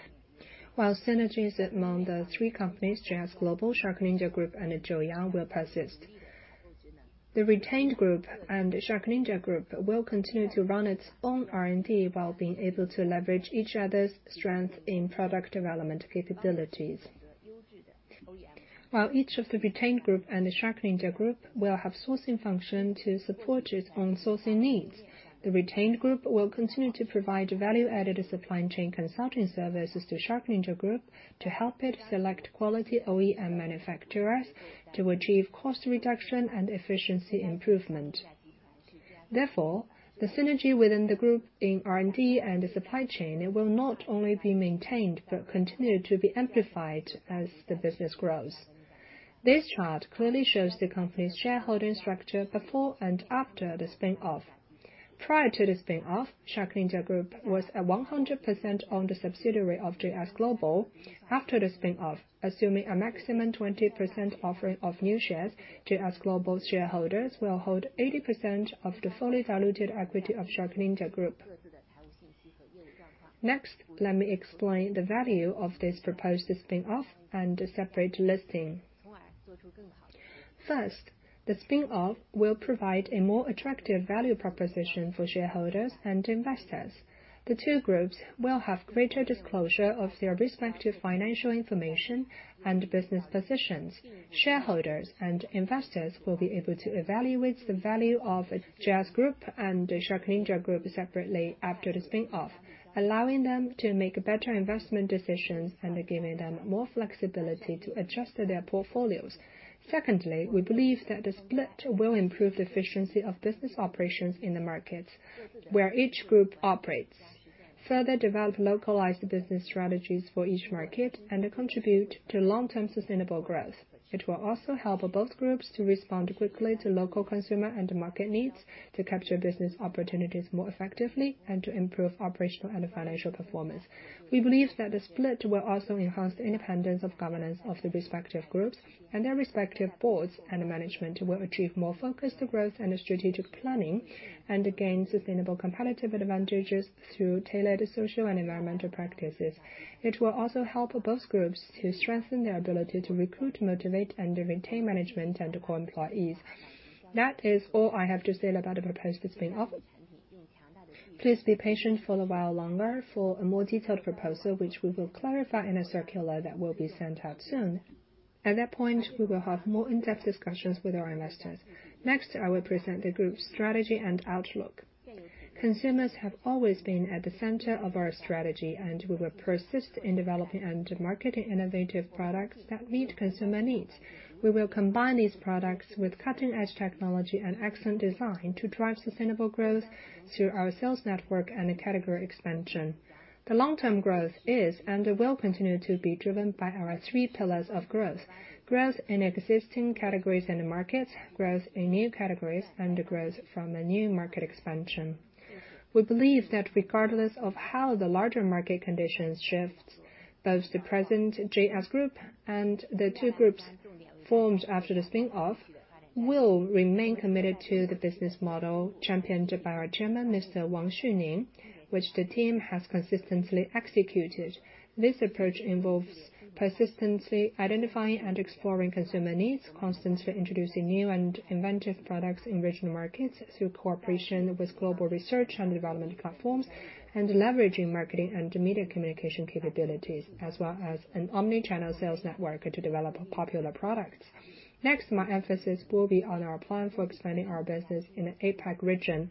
while synergies among the three companies, JS Global, SharkNinja Group, and Joyoung will persist. The retained group and SharkNinja Group will continue to run its own R&D while being able to leverage each other's strength in product development capabilities. While each of the retained group and the SharkNinja Group will have sourcing function to support its own sourcing needs, the retained group will continue to provide value-added supply chain consulting services to SharkNinja Group to help it select quality OEM manufacturers to achieve cost reduction and efficiency improvement. The synergy within the group in R&D and the supply chain will not only be maintained, but continue to be amplified as the business grows. This chart clearly shows the company's shareholding structure before and after the spin-off. Prior to the spin-off, SharkNinja Group was a 100% owned subsidiary of JS Global. After the spin-off, assuming a maximum 20% offer of new shares, JS Global shareholders will hold 80% of the fully diluted equity of SharkNinja Group. Let me explain the value of this proposed spin-off and separate listing. First, the spin-off will provide a more attractive value proposition for shareholders and investors. The two groups will have greater disclosure of their respective financial information and business positions. Shareholders and investors will be able to evaluate the value of JS Group and SharkNinja Group separately after the spin-off, allowing them to make better investment decisions and giving them more flexibility to adjust their portfolios. Secondly, we believe that the split will improve the efficiency of business operations in the markets where each group operates, further develop localized business strategies for each market, and contribute to long-term sustainable growth. It will also help both groups to respond quickly to local consumer and market needs, to capture business opportunities more effectively, and to improve operational and financial performance. We believe that the split will also enhance the independence of governance of the respective groups and their respective boards. Management will achieve more focused growth and strategic planning, and gain sustainable competitive advantages through tailored social and environmental practices. It will also help both groups to strengthen their ability to recruit, motivate, and retain management and core employees. That is all I have to say about the proposed spin-off. Please be patient for a while longer for a more detailed proposal, which we will clarify in a circular that will be sent out soon. At that point, we will have more in-depth discussions with our investors. Next, I will present the group's strategy and outlook. Consumers have always been at the center of our strategy. We will persist in developing and marketing innovative products that meet consumer needs. We will combine these products with cutting-edge technology and excellent design to drive sustainable growth through our sales network and the category expansion. The long-term growth is, and will continue to be driven by our three pillars of growth. Growth in existing categories and markets, growth in new categories, and the growth from a new market expansion. We believe that regardless of how the larger market conditions shifts, both the present JS Group and the two groups formed after the spin-off will remain committed to the business model championed by our chairman, Mr. Wang Xuning, which the team has consistently executed. This approach involves persistently identifying and exploring consumer needs, constantly introducing new and inventive products in regional markets through cooperation with global research and development platforms, and leveraging marketing and media communication capabilities, as well as an omni-channel sales network to develop popular products. Next, my emphasis will be on our plan for expanding our business in the APAC region.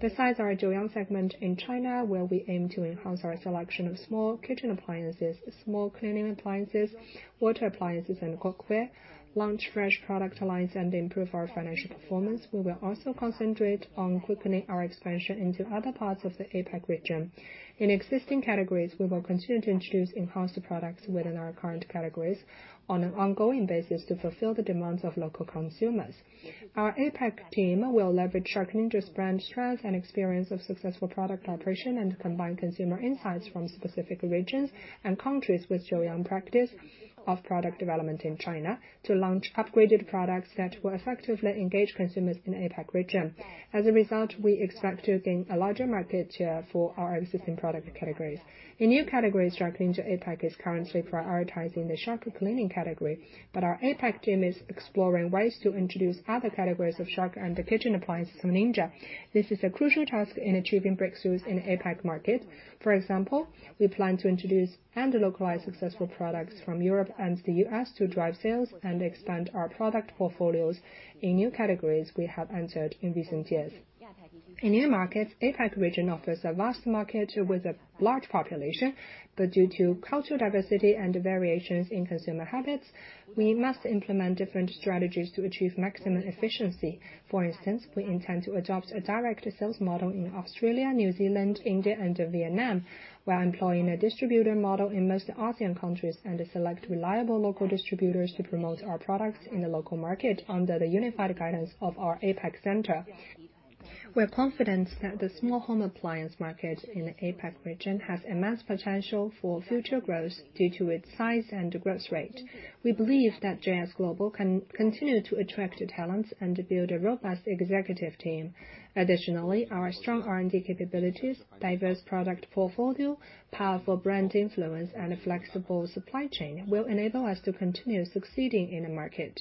Besides our Joyoung segment in China, where we aim to enhance our selection of small kitchen appliances, small cleaning appliances, water appliances and cookware, launch fresh product lines, and improve our financial performance. We will also concentrate on quickening our expansion into other parts of the APAC region. In existing categories, we will continue to introduce enhanced products within our current categories on an ongoing basis to fulfill the demands of local consumers. Our APAC team will leverage SharkNinja's brand strength and experience of successful product operation, and combine consumer insights from specific regions and countries with Joyoung practice of product development in China to launch upgraded products that will effectively engage consumers in APAC region. As a result, we expect to gain a larger market share for our existing product categories. In new categories, SharkNinja APAC is currently prioritizing the Shark cleaning category, our APAC team is exploring ways to introduce other categories of Shark and Ninja kitchen appliances. This is a crucial task in achieving breakthroughs in APAC market. For example, we plan to introduce and localize successful products from Europe and the U.S. to drive sales and expand our product portfolios in new categories we have entered in recent years. In new markets, APAC region offers a vast market with a large population. Due to cultural diversity and variations in consumer habits, we must implement different strategies to achieve maximum efficiency. For instance, we intend to adopt a direct sales model in Australia, New Zealand, India, and Vietnam. We're employing a distributor model in most ASEAN countries. We select reliable local distributors to promote our products in the local market under the unified guidance of our APAC center. We're confident that the small home appliance market in the APAC region has immense potential for future growth due to its size and growth rate. We believe that JS Global can continue to attract talents and build a robust executive team. Additionally, our strong R&D capabilities, diverse product portfolio, powerful brand influence, and a flexible supply chain will enable us to continue succeeding in the market.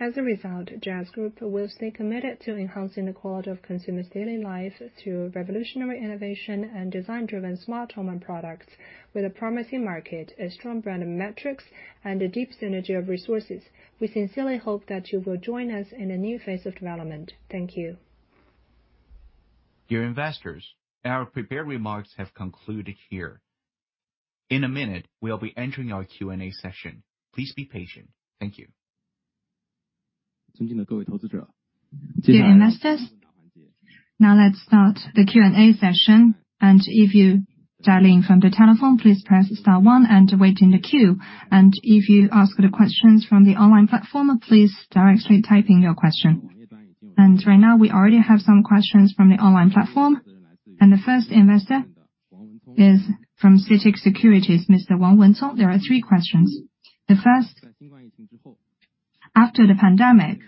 As a result, JS Global will stay committed to enhancing the quality of consumers' daily life through revolutionary innovation and design-driven smart home and products. With a promising market, a strong brand metrics, and a deep synergy of resources, we sincerely hope that you will join us in a new phase of development. Thank you. Dear investors, our prepared remarks have concluded here. In a minute, we'll be entering our Q&A session. Please be patient. Thank you. Dear investors, now let's start the Q&A session. If you dial in from the telephone, please press star one and wait in the queue. If you ask the questions from the online platform, please directly type in your question. Right now, we already have some questions from the online platform. The first investor is from CITIC Securities, Mr. Wang Wencong. There are three questions. The first, after the pandemic,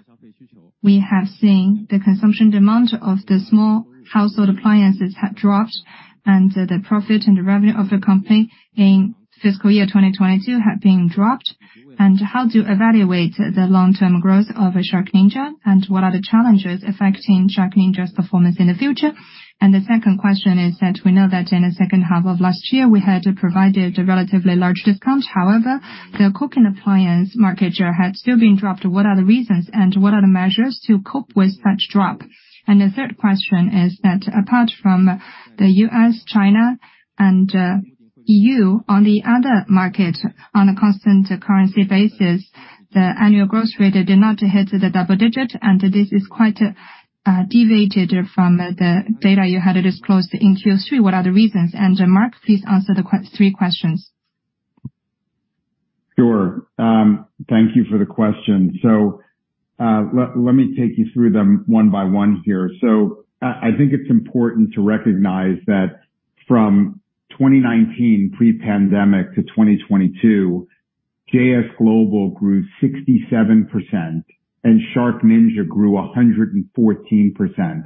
we have seen the consumption demand of the small household appliances have dropped, and the profit and revenue of the company in fiscal year 2022 have been dropped. How do you evaluate the long-term growth of a SharkNinja, and what are the challenges affecting SharkNinja's performance in the future? The second question is that we know that in the second half of last year, we had provided a relatively large discount. However, the cooking appliance market share had still been dropped. What are the reasons and what are the measures to cope with such drop? The third question is that apart from the U.S., China, and E.U., on the other market, on a constant currency basis, the annual growth rate did not hit the double-digit, and this is quite deviated from the data you had disclosed in Q3. What are the reasons? Mark, please answer the three questions. Sure. Thank you for the question. Let me take you through them one by one here. I think it's important to recognize that from 2019 pre-pandemic to 2022, JS Global grew 67% and SharkNinja grew 114%.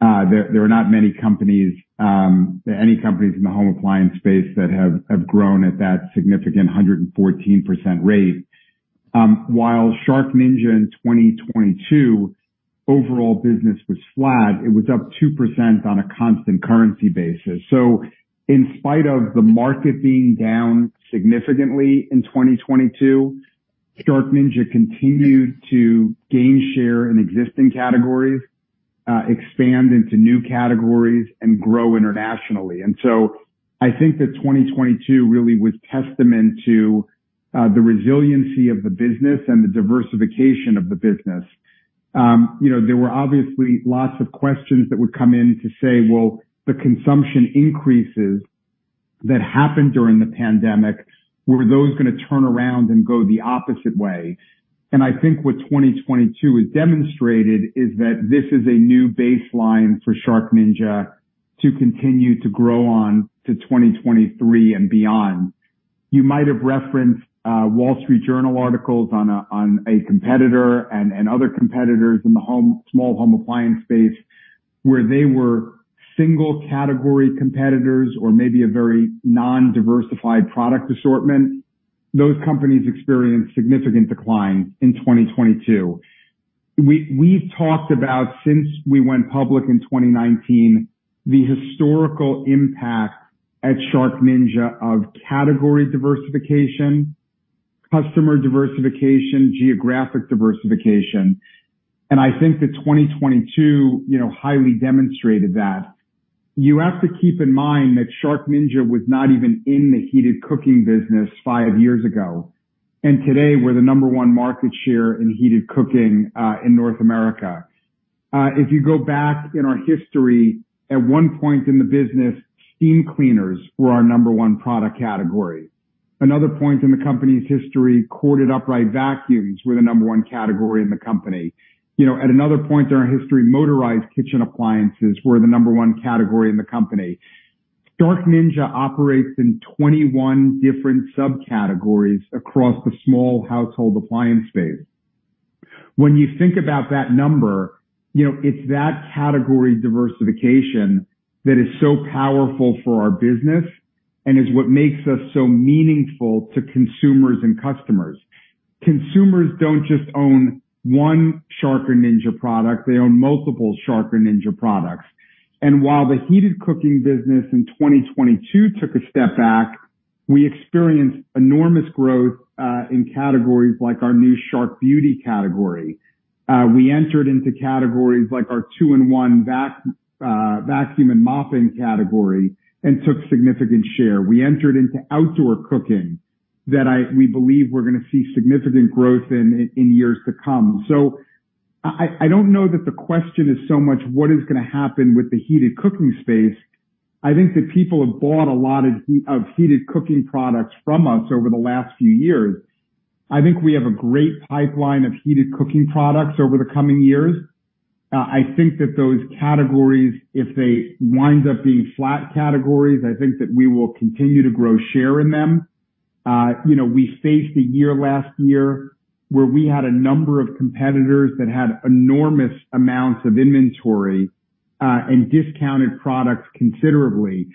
There are not many companies, any companies in the home appliance space that have grown at that significant 114% rate. While SharkNinja in 2022 overall business was flat, it was up 2% on a constant currency basis. In spite of the market being down significantly in 2022, SharkNinja continued to gain share in existing categories, expand into new categories and grow internationally. I think that 2022 really was testament to the resiliency of the business and the diversification of the business. You know, there were obviously lots of questions that would come in to say, well, the consumption increases that happened during the pandemic, were those gonna turn around and go the opposite way? I think what 2022 has demonstrated is that this is a new baseline for SharkNinja to continue to grow on to 2023 and beyond. You might have referenced Wall Street Journal articles on a competitor and other competitors in the small home appliance space where they were single category competitors or maybe a very non-diversified product assortment. Those companies experienced significant decline in 2022. We've talked about since we went public in 2019, the historical impact at SharkNinja of category diversification, customer diversification, geographic diversification, I think that 2022, you know, highly demonstrated that. You have to keep in mind that SharkNinja was not even in the heated cooking business five years ago, and today we're the number 1 market share in heated cooking in North America. If you go back in our history, at point in the business, steam cleaners were our number one product category. Another point in the company's history, corded upright vacuums were the number one category in the company. You know, at another point in our history, motorized kitchen appliances were the number one category in the company. SharkNinja operates in 21 different subcategories across the small household appliance space. When you think about that number, you know, it's that category diversification that is so powerful for our business and is what makes us so meaningful to consumers and customers. Consumers don't just own 1 Shark or Ninja product, they own multiple Shark or Ninja products. While the heated cooking business in 2022 took a step back, we experienced enormous growth in categories like our new Shark Beauty category. We entered into categories like our two-in-one vacuum and mopping category and took significant share. We entered into outdoor cooking that we believe we're gonna see significant growth in years to come. I don't know that the question is so much what is gonna happen with the heated cooking space. I think that people have bought a lot of heated cooking products from us over the last few years. I think we have a great pipeline of heated cooking products over the coming years. I think that those categories, if they wind up being flat categories, I think that we will continue to grow share in them. You know, we faced a year last year where we had a number of competitors that had enormous amounts of inventory and discounted products considerably.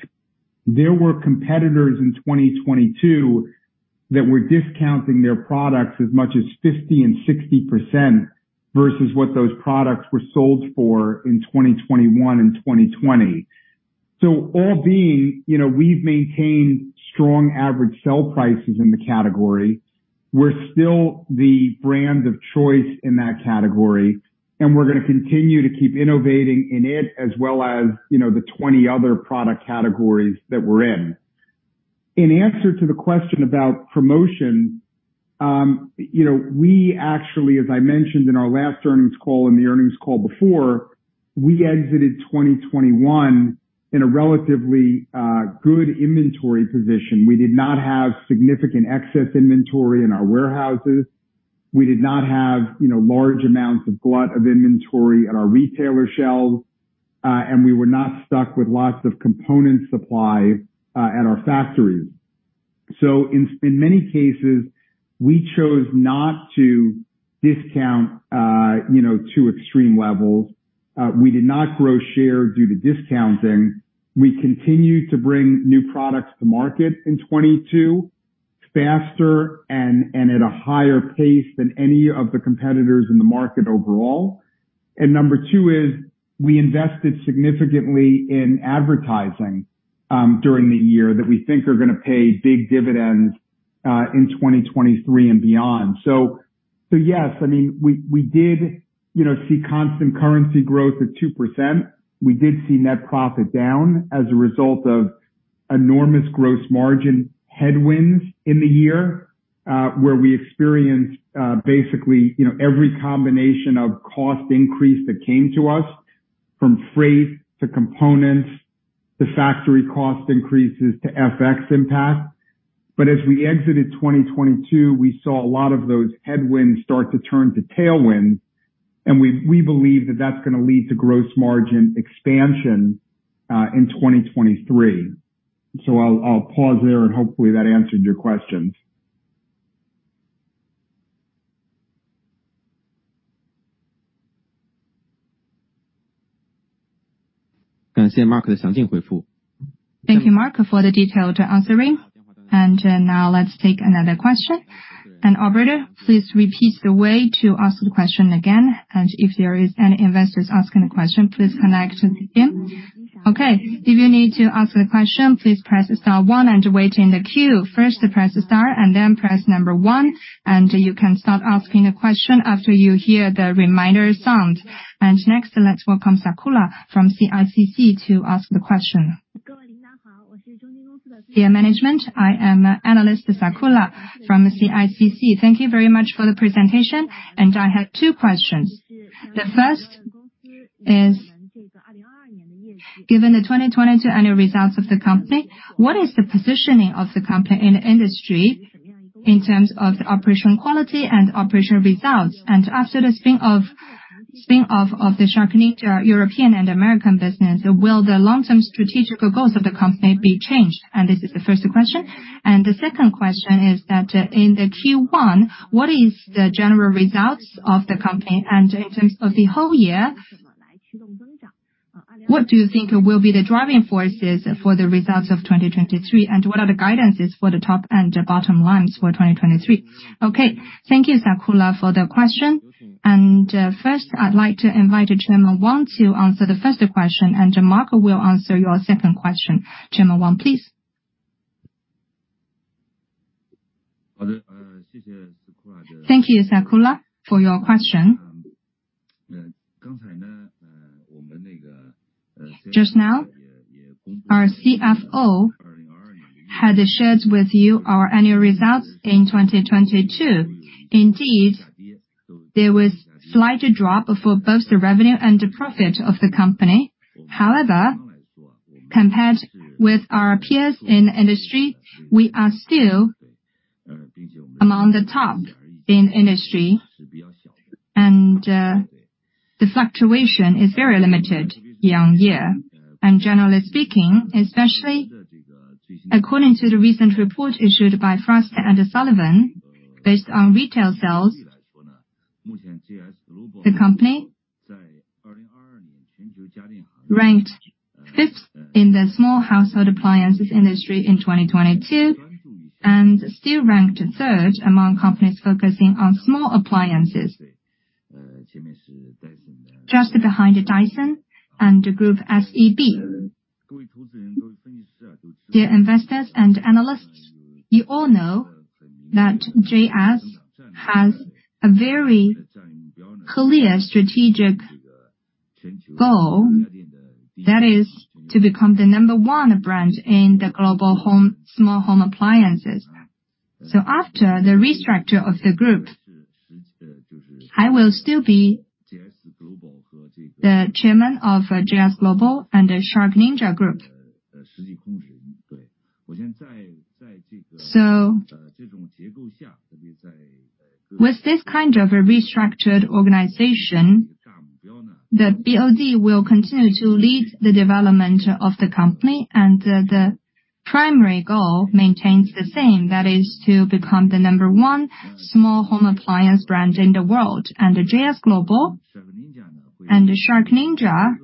There were competitors in 2022 that were discounting their products as much as 50% and 60% versus what those products were sold for in 2021 and 2020. All being, you know, we've maintained strong average sell prices in the category. We're still the brand of choice in that category, and we're gonna continue to keep innovating in it as well as, you know, the 20 other product categories that we're in. In answer to the question about promotion, you know, we actually, as I mentioned in our last earnings call and the earnings call before, we exited 2021 in a relatively good inventory position. We did not have significant excess inventory in our warehouses. We did not have, you know, large amounts of glut of inventory on our retailer shelves, and we were not stuck with lots of component supply at our factories. In many cases, we chose not to discount, you know, to extreme levels. We did not grow share due to discounting. We continued to bring new products to market in 2022 faster and at a higher pace than any of the competitors in the market overall. Number two is we invested significantly in advertising during the year that we think are gonna pay big dividends in 2023 and beyond. Yes, I mean, we did, you know, see constant currency growth at 2%. We did see net profit down as a result of enormous gross margin headwinds in the year, where we experienced, basically, you know, every combination of cost increase that came to us from freight to components to factory cost increases to FX impact. As we exited 2022, we saw a lot of those headwinds start to turn to tailwinds, and we believe that that's gonna lead to gross margin expansion, in 2023. I'll pause there and hopefully that answered your questions. Thank you, Mark, for the detailed answering. Now let's take another question. Operator, please repeat the way to ask the question again, and if there is any investors asking the question, please connect him. Okay. If you need to ask a question, please press star one and wait in the queue. First, press star and then press number one, and you can start asking a question after you hear the reminder sound. Next, let's welcome Sakura from CICC to ask the question. Dear management, I am analyst Sakura from CICC. Thank you very much for the presentation, and I have two questions. The first is, given the 2022 annual results of the company, what is the positioning of the company in the industry in terms of the operational quality and operational results? After the spin-off of the SharkNinja European and American business, will the long-term strategical goals of the company be changed? This is the first question. The second question is that in the Q1, what is the general results of the company? In terms of the whole year, what do you think will be the driving forces for the results of 2023? What are the guidances for the top and bottom lines for 2023? Okay. Thank you, Sakura, for the question. First, I'd like to invite Chairman Wang to answer the first question, and Mark will answer your second question. Chairman Wang, please. Thank you, Sakura, for your question. Just now, our CFO had shared with you our annual results in 2022. Indeed, there was slight drop for both the revenue and the profit of the company. However, compared with our peers in industry, we are still among the top in industry. The fluctuation is very limited year-on-year. Generally speaking, especially according to the recent report issued by Frost & Sullivan, based on retail sales, the company ranked fifth in the small household appliances industry in 2022, and still ranked third among companies focusing on small appliances. Just behind Dyson and the Groupe SEB. Dear investors and analysts, you all know that JS has a very clear strategic goal, that is to become the number one brand in the global home, small home appliances. After the restructure of the group, I will still be the chairman of JS Global and the SharkNinja Group. With this kind of a restructured organization, the BOD will continue to lead the development of the company and the primary goal maintains the same. That is to become the number 1 small home appliance brand in the world. JS Global and SharkNinja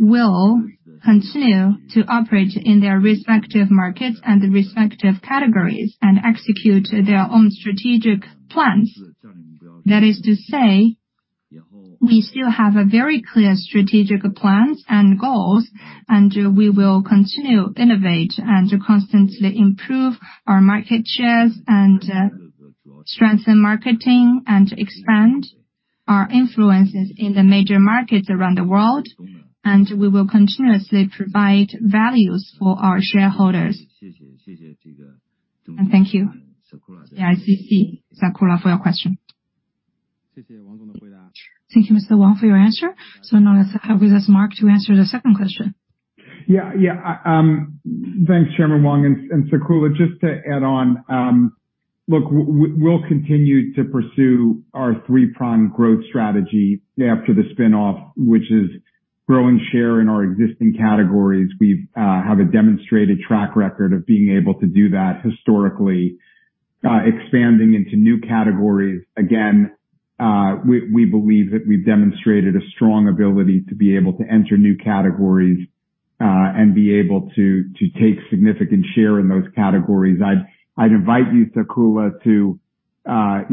will continue to operate in their respective markets and respective categories and execute their own strategic plans. That is to say, we still have a very clear strategic plans and goals, and we will continue innovate and to constantly improve our market shares and strengthen marketing and expand our influences in the major markets around the world. We will continuously provide values for our shareholders. Thank you, CICC, Sakura, for your question. Thank you, Mr. Wang, for your answer. Now let's have with us Mark to answer the second question. Yeah. Yeah. Thanks, Chairman Wang and Sakura. Just to add on, look, we'll continue to pursue our three-pronged growth strategy after the spin-off, which is growing share in our existing categories. We've have a demonstrated track record of being able to do that historically. Expanding into new categories. Again, we believe that we've demonstrated a strong ability to be able to enter new categories and be able to take significant share in those categories. I'd invite you, Sakura, to, you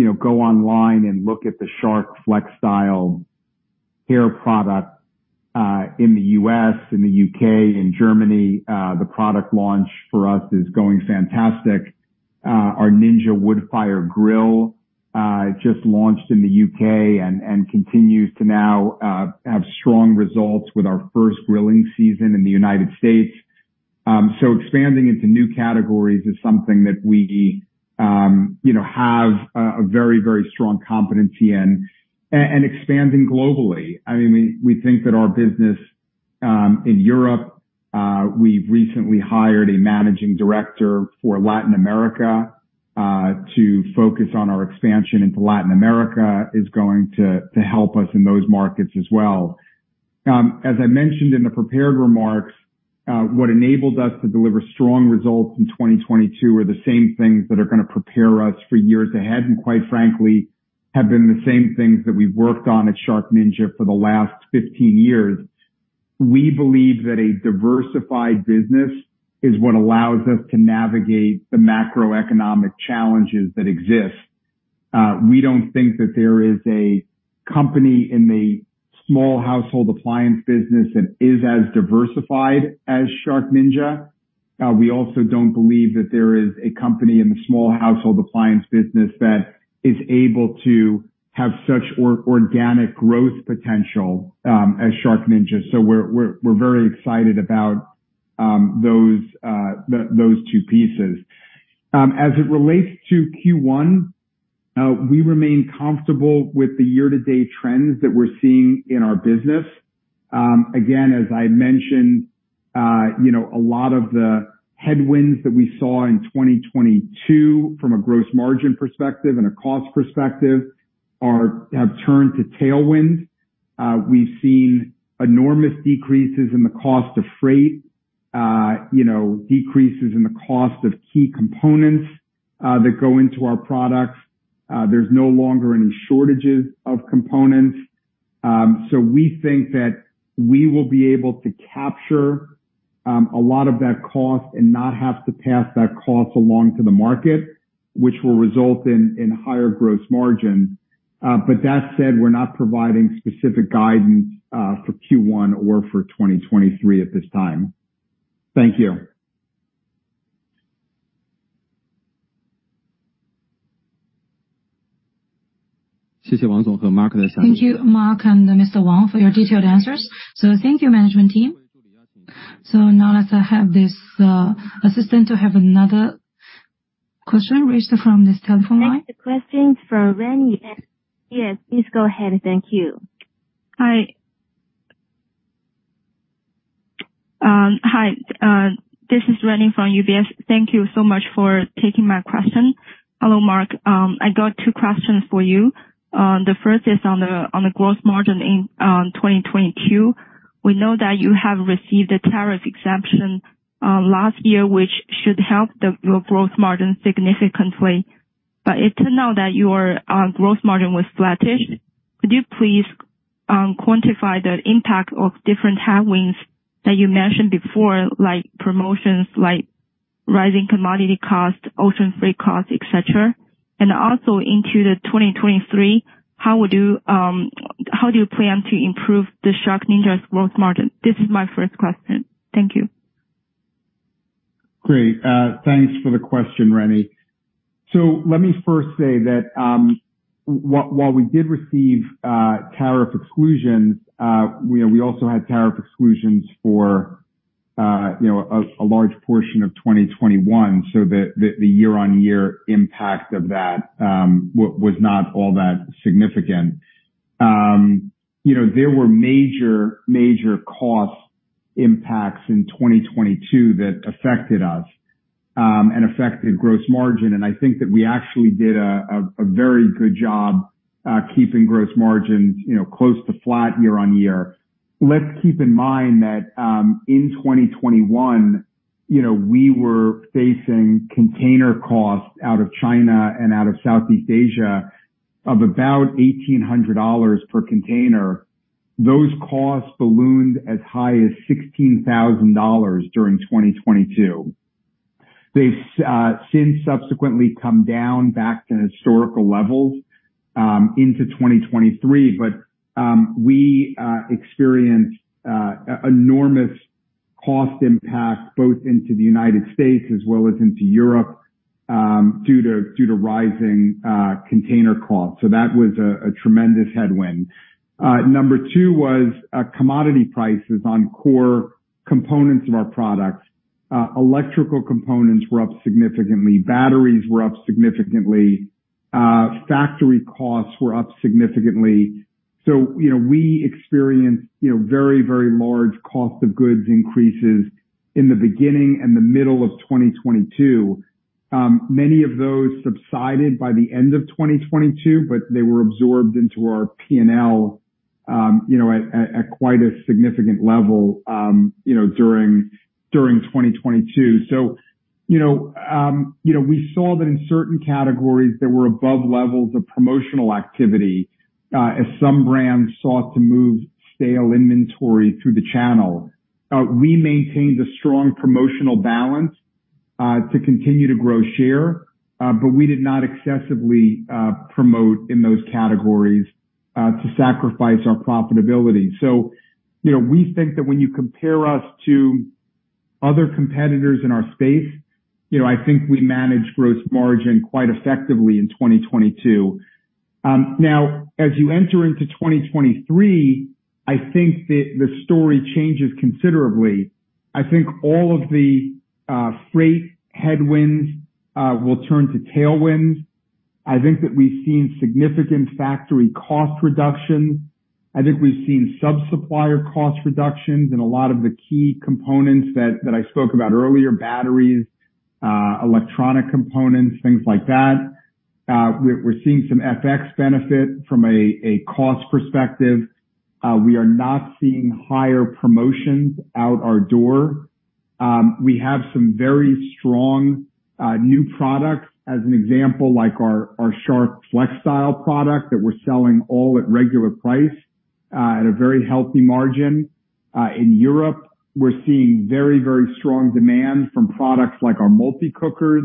know, go online and look at the Shark FlexStyle hair product in the U.S., in the U.K., in Germany. The product launch for us is going fantastic. Our Ninja Woodfire Grill just launched in the U.K. and continues to now have strong results with our first grilling season in the United States. Expanding into new categories is something that we, you know, have a very strong competency in. Expanding globally. I mean, we think that our business in Europe, we've recently hired a managing director for Latin America, to focus on our expansion into Latin America, is going to help us in those markets as well. As I mentioned in the prepared remarks, what enabled us to deliver strong results in 2022 are the same things that are gonna prepare us for years ahead, and quite frankly, have been the same things that we've worked on at SharkNinja for the last 15 years. We believe that a diversified business is what allows us to navigate the macroeconomic challenges that exist. We don't think that there is a company in the small household appliance business that is as diversified as SharkNinja. We also don't believe that there is a company in the small household appliance business that is able to have such organic growth potential as SharkNinja. We're very excited about those two pieces. As it relates to Q1, we remain comfortable with the year-to-date trends that we're seeing in our business. Again, as I mentioned, you know, a lot of the headwinds that we saw in 2022 from a gross margin perspective and a cost perspective have turned to tailwind. We've seen enormous decreases in the cost of freight, you know, decreases in the cost of key components that go into our products. There's no longer any shortages of components. We think that we will be able to capture a lot of that cost and not have to pass that cost along to the market, which will result in higher gross margin. That said, we're not providing specific guidance for Q1 or for 2023 at this time. Thank you. Thank you, Mark and Mr. Wang, for your detailed answers. Thank you, management team. Now let's have this, assistant to have another question raised from this telephone line. Next question's from Rennie. Yes, please go ahead. Thank you. Hi. This is Rennie from UBS. Thank you so much for taking my question. Hello, Mark. I got two questions for you. The first is on the gross margin in 2022. We know that you have received a tariff exemption last year, which should help your gross margin significantly. It turned out that your gross margin was flattish. Could you please quantify the impact of different tailwinds that you mentioned before, like promotions, like rising commodity costs, ocean freight costs, et cetera? Also into 2023, how do you plan to improve the SharkNinja's gross margin? This is my first question. Thank you. Great. Thanks for the question, Rennie. Let me first say that, while we did receive, tariff exclusions, you know, we also had tariff exclusions for, you know, a large portion of 2021, so the year-on-year impact of that was not all that significant. You know, there were major cost impacts in 2022 that affected us, and affected gross margin, and I think that we actually did a very good job, keeping gross margins, you know, close to flat year-on-year. Let's keep in mind that, in 2021, you know, we were facing container costs out of China and out of Southeast Asia of about $1,800 per container. Those costs ballooned as high as $16,000 during 2022. They've since subsequently come down back to historical levels into 2023, but we experienced enormous cost impact both into the United States as well as into Europe due to rising container costs. That was a tremendous headwind. Number two was commodity prices on core components of our products. Electrical components were up significantly. Batteries were up significantly. Factory costs were up significantly. You know, we experienced, you know, very, very large cost of goods increases in the beginning and the middle of 2022. Many of those subsided by the end of 2022, but they were absorbed into our P&L, you know, at quite a significant level, you know, during 2022. You know, we saw that in certain categories there were above levels of promotional activity, as some brands sought to move stale inventory through the channel. We maintained a strong promotional balance, to continue to grow share, but we did not excessively promote in those categories, to sacrifice our profitability. You know, we think that when you compare us to other competitors in our space, you know, I think we managed gross margin quite effectively in 2022. As you enter into 2023, I think that the story changes considerably. I think all of the freight headwinds will turn to tailwinds. I think that we've seen significant factory cost reductions. I think we've seen sub-supplier cost reductions in a lot of the key components that I spoke about earlier, batteries, electronic components, things like that. We're seeing some FX benefit from a cost perspective. We are not seeing higher promotions out our door. We have some very strong new products, as an example, like our Shark FlexStyle product that we're selling all at regular price, at a very healthy margin. In Europe, we're seeing very strong demand from products like our multi-cookers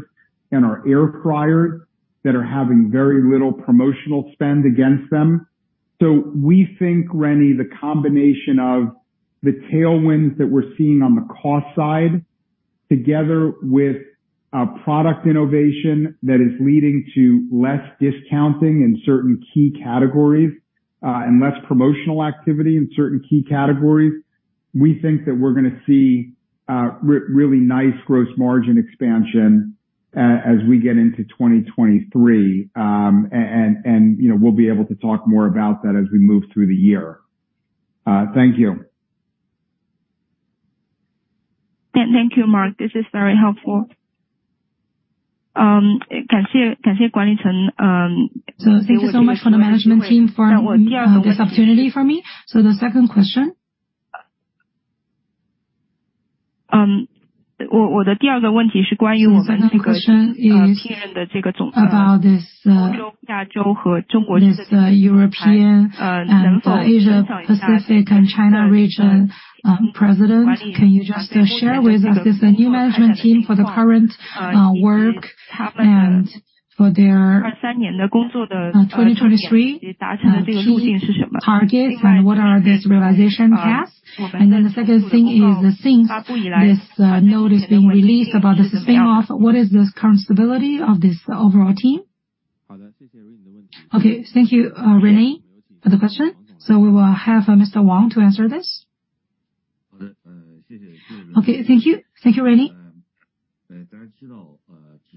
and our air fryer that are having very little promotional spend against them. We think, Rennie, the combination of the tailwinds that we're seeing on the cost side, together with product innovation that is leading to less discounting in certain key categories, and less promotional activity in certain key categories, we think that we're gonna see really nice gross margin expansion as we get into 2023. You know, we'll be able to talk more about that as we move through the year. Thank you. Thank you, Mark. This is very helpful. Thank you so much for the management team for this opportunity for me. The second question. The second question is about this European and Asia Pacific and China region president. Can you just share with us this new management team for the current work and for their 2023 key targets and what are these realization tasks? The second thing is, since this note is being released about the spin-off, what is the current stability of this overall team? Thank you, Rennie for the question. We will have Mr. Wang to answer this. Thank you, Rennie.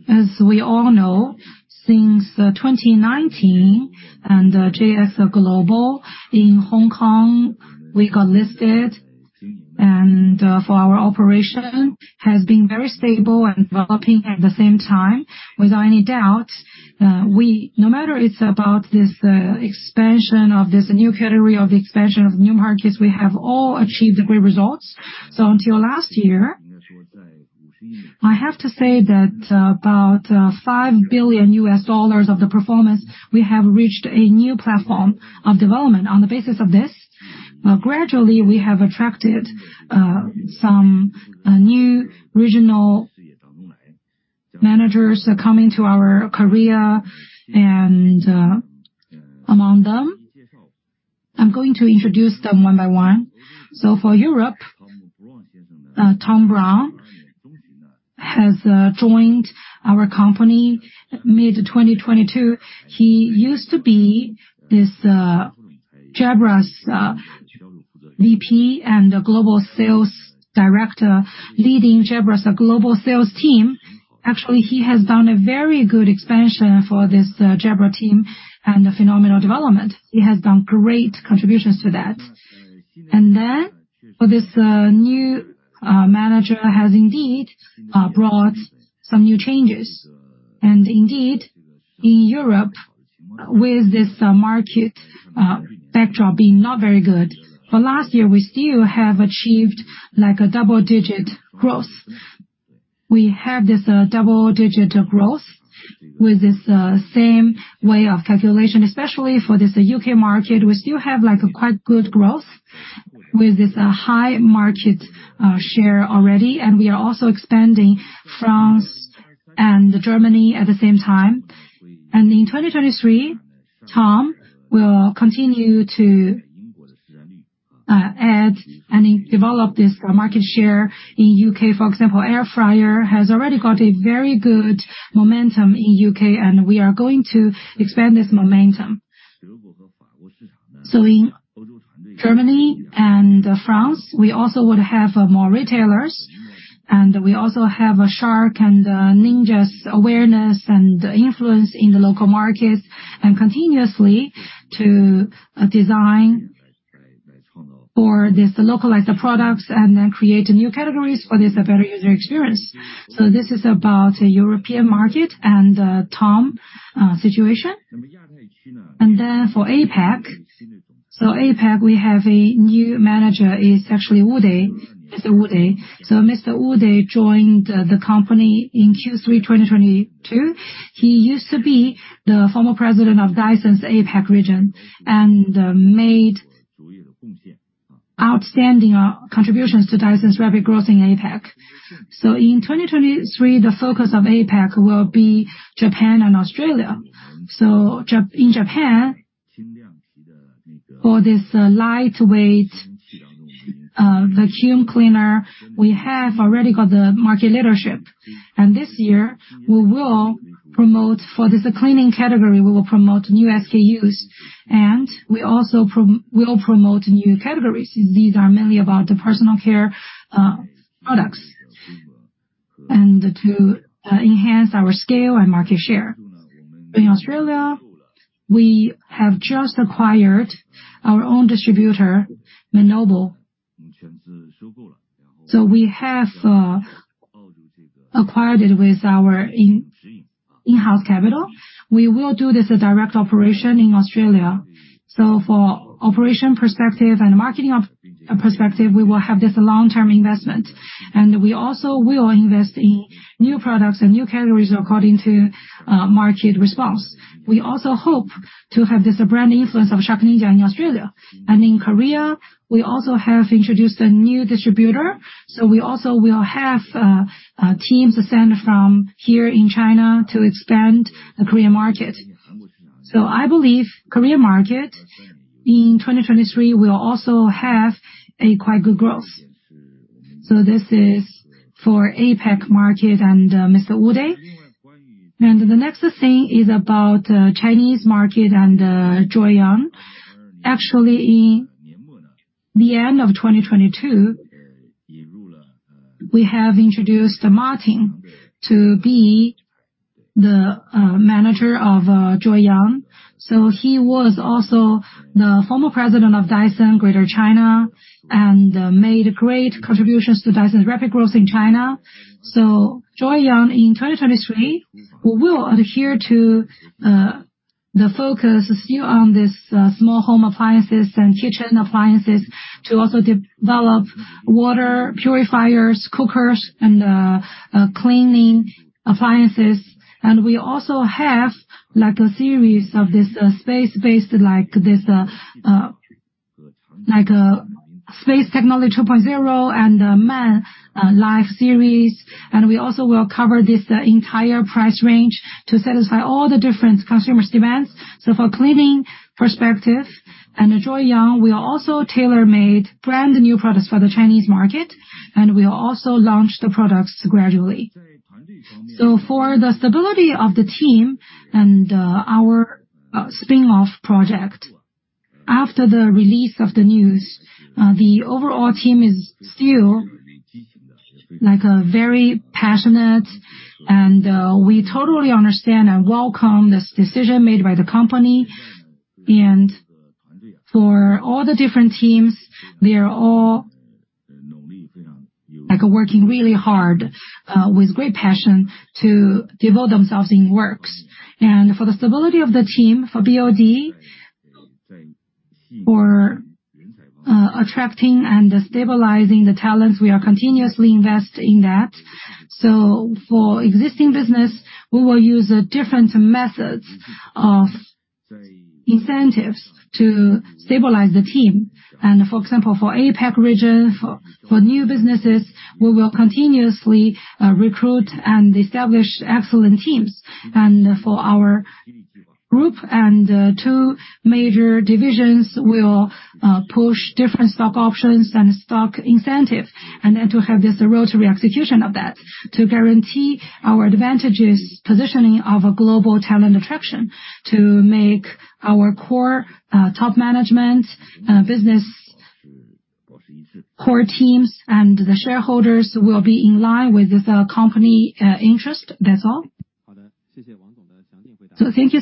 As we all know, since 2019 and JS Global in Hong Kong, we got listed and, for our operation has been very stable and developing at the same time. Without any doubt, no matter it's about this expansion of this new category of the expansion of new markets, we have all achieved great results. Until last year, I have to say that about $5 billion of the performance, we have reached a new platform of development. On the basis of this, gradually we have attracted some new regional managers coming to our career and, among them, I'm going to introduce them one by one. For Europe, Tom Brown has joined our company mid-2022. He used to be this, Jabra's, VP and Global Sales Director leading Jabra's global sales team. Actually, he has done a very good expansion for this Jabra team and a phenomenal development. He has done great contributions to that. For this new manager has indeed brought some new changes. Indeed, in Europe, with this market backdrop being not very good, for last year we still have achieved like a double-digit growth. We have this double-digit growth with this same way of calculation, especially for this U.K. market. We still have like a quite good growth with this high market share already, and we are also expanding France and Germany at the same time. In 2023, Tom will continue to add and develop this market share in U.K. For example, air fryer has already got a very good momentum in U.K. and we are going to expand this momentum. In Germany and France, we also would have more retailers and we also have a Shark and Ninja awareness and influence in the local markets, continuously to design for this localized products and create new categories for this better user experience. This is about European market and Tom Brown situation. For APAC. APAC we have a new manager is actually Udai Kunzru. Mr. Udai. Mr. Udai joined the company in Q3 2022. He used to be the former president of Dyson's APAC region and made outstanding contributions to Dyson's rapid growth in APAC. In 2023, the focus of APAC will be Japan and Australia. In Japan, for this lightweight vacuum cleaner, we have already got the market leadership. This year we will promote, for this cleaning category, we will promote new SKUs and we also will promote new categories. These are mainly about the personal care products and to enhance our scale and market share. In Australia, we have just acquired our own distributor, Mann & Noble. We have acquired it with our in-house capital. We will do this as a direct operation in Australia. For operation perspective and marketing perspective, we will have this long-term investment. We also will invest in new products and new categories according to market response. We also hope to have this brand influence of SharkNinja in Australia. In Korea, we also have introduced a new distributor. We also will have teams ascend from here in China to expand the Korean market. I believe Korea market in 2023 will also have a quite good growth. This is for APAC market and Mr. Udai. The next thing is about Chinese market and Joyoung. Actually, in the end of 2022, we have introduced Martin to be the manager of Joyoung. He was also the former president of Dyson Greater China, and made great contributions to Dyson's rapid growth in China. Joyoung in 2023 will adhere to the focus still on this small home appliances and kitchen appliances to also develop water purifiers, cookers and cleaning appliances. We also have like a series of this space-based, like this, like a Space Technology 2.0 and a Romantic Life series. We also will cover this entire price range to satisfy all the different consumers demands. For cleaning perspective and Joyoung, we are also tailor-made brand new products for the Chinese market, and we'll also launch the products gradually. For the stability of the team and our spin-off project. After the release of the news, the overall team is still like a very passionate and we totally understand and welcome this decision made by the company. For all the different teams, they are all like working really hard with great passion to devote themselves in works. For the stability of the team, for BOD, for attracting and stabilizing the talents, we are continuously invest in that. For existing business, we will use different methods of incentives to stabilize the team. For example, for APAC region, for new businesses, we will continuously recruit and establish excellent teams. For our group and two major divisions, we'll push different stock options and stock incentives, to have this rotary execution of that to guarantee our advantages positioning of a global talent attraction to make our core top management business core teams and the shareholders will be in line with this company interest. That's all. Thank you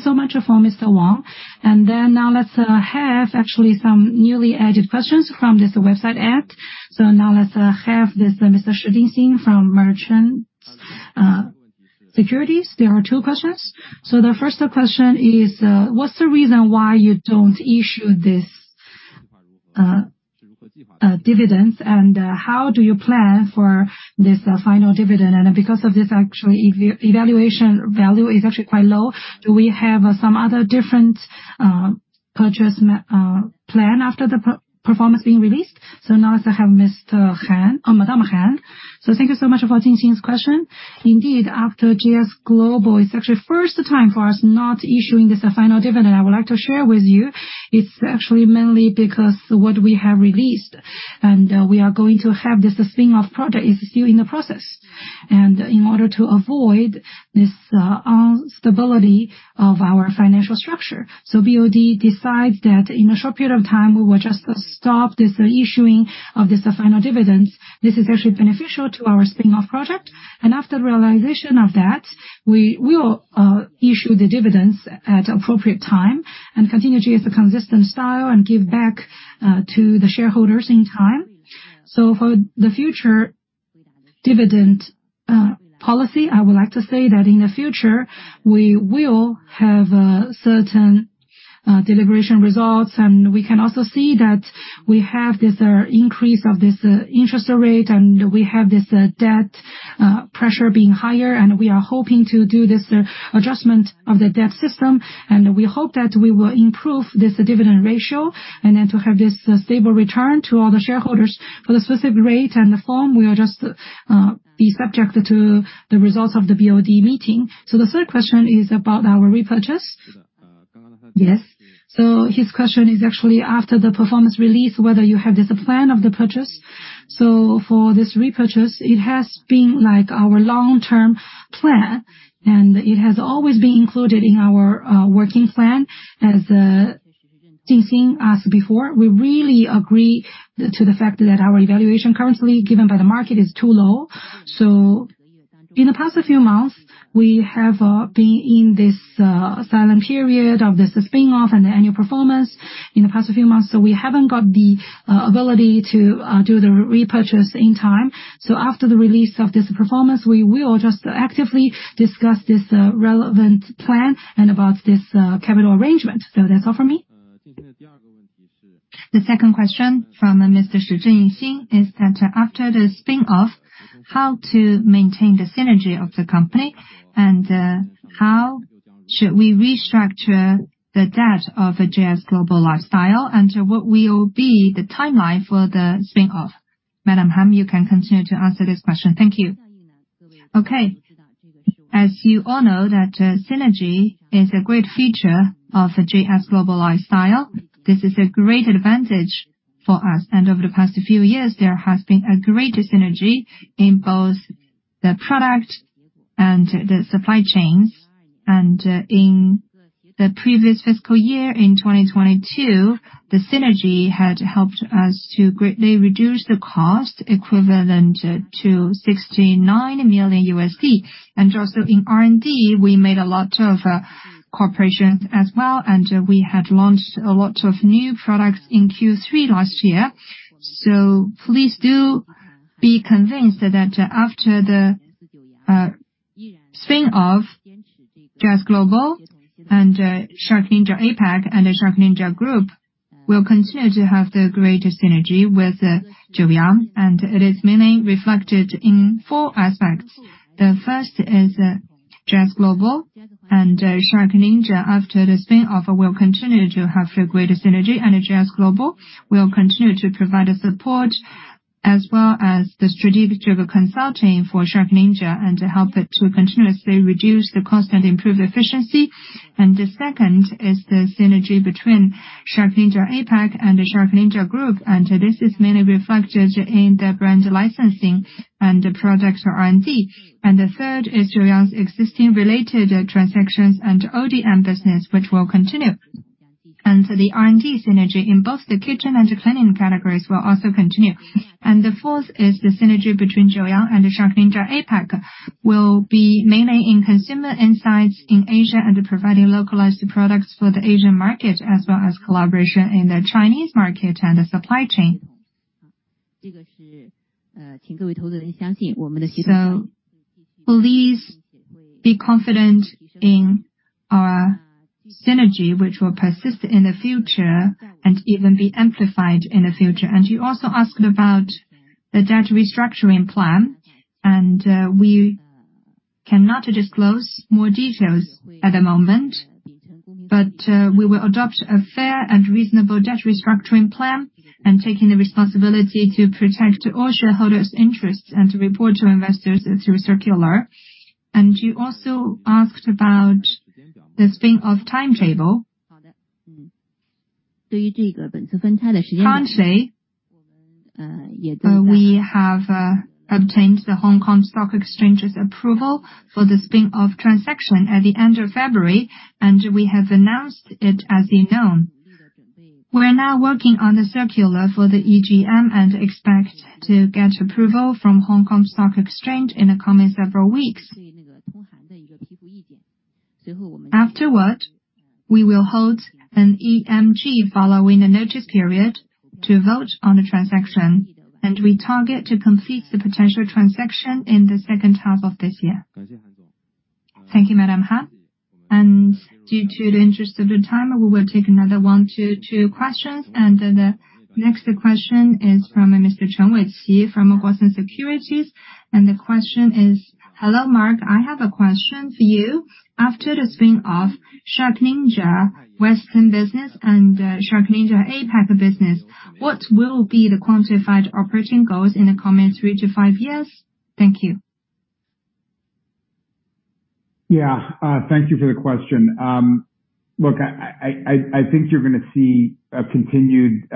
so much for Mr. Wang. Now let's actually have some newly added questions from this website app. Now let's have this Mr. Shi Jinxing from China Merchants Securities. There are two questions. The first question is, what's the reason why you don't issue this dividends and how do you plan for this final dividend? Because of this, actually, evaluation value is actually quite low. Do we have some other different purchase plan after the performance being released? Now let's have Madam Han. Thank you so much for Jingjing's question. Indeed, after JS Global, it's actually first time for us not issuing this final dividend. I would like to share with you, it's actually mainly because what we have released and we are going to have this spin-off product is still in the process. In order to avoid this unstability of our financial structure. BOD decides that in a short period of time, we will just stop this issuing of this final dividends. This is actually beneficial to our spin-off project. After realization of that, we will issue the dividends at appropriate time and continue JS Global's consistent style and give back to the shareholders in time. For the future dividend policy, I would like to say that in the future, we will have certain deliberation results, and we can also see that we have this increase of this interest rate, and we have this debt pressure being higher, and we are hoping to do this adjustment of the debt system, and we hope that we will improve this dividend ratio and then to have this stable return to all the shareholders. For the specific rate and the form, we will just be subject to the results of the BOD meeting. The third question is about our repurchase. Yes. His question is actually after the performance release, whether you have this plan of the purchase. For this repurchase, it has been like our long-term plan, and it has always been included in our working plan. As before, we really agree to the fact that our evaluation currently given by the market is too low. In the past few months, we have been in this silent period of the spin-off and the annual performance in the past few months, so we haven't got the ability to do the repurchase in time. After the release of this performance, we will just actively discuss this relevant plan and about this capital arrangement. That's all from me. The second question from Mr. Zhang Jingjing is that after the spin-off, how to maintain the synergy of the company? How should we restructure the debt of JS Global Lifestyle? What will be the timeline for the spin-off? Madam Han, you can continue to answer this question. Thank you. Okay. As you all know that synergy is a great feature of JS Global Lifestyle. This is a great advantage for us. Over the past few years, there has been a greater synergy in both the product and the supply chains. In the previous fiscal year, in 2022, the synergy had helped us to greatly reduce the cost equivalent to $69 million. Also in R&D, we made a lot of cooperation as well, and we had launched a lot of new products in Q3 last year. Please do be convinced that after the spin-off, JS Global and SharkNinja APAC and the SharkNinja Group will continue to have the greatest synergy with Joyoung, and it is mainly reflected in four aspects. The first is JS Global and SharkNinja, after the spin-off, will continue to have a greater synergy. JS Global will continue to provide a support as well as the strategic consulting for SharkNinja and to help it to continuously reduce the cost and improve efficiency. The second is the synergy between SharkNinja APAC and the SharkNinja Group. This is mainly reflected in the brand licensing and the product R&D. The third is Joyoung's existing related transactions and ODM business, which will continue. The R&D synergy in both the kitchen and cleaning categories will also continue. The fourth is the synergy between Joyoung and SharkNinja APAC will be mainly in consumer insights in Asia and providing localized products for the Asian market as well as collaboration in the Chinese market and the supply chain. Please be confident in our synergy, which will persist in the future and even be amplified in the future. You also asked about the debt restructuring plan, and we cannot disclose more details at the moment, but we will adopt a fair and reasonable debt restructuring plan and taking the responsibility to protect all shareholders' interests and to report to investors through circular. You also asked about the spin-off timetable. Currently, we have obtained the Hong Kong Stock Exchange's approval for the spin-off transaction at the end of February, and we have announced it as you know. We're now working on the circular for the EGM and expect to get approval from Hong Kong Stock Exchange in the coming several weeks. Afterward, we will hold an EGM following the notice period to vote on the transaction, and we target to complete the potential transaction in the second half of this year. Thank you, Madam Han. Due to the interest of the time, we will take another one to two questions. The next question is from Mr. Chen Weiqi from Guosen Securities. The question is: Hello, Mark. I have a question for you. After the spin-off, SharkNinja Western business and SharkNinja APAC business, what will be the quantified operating goals in the coming three to five years? Thank you. Yeah. Thank you for the question. Look, I think you're gonna see a continued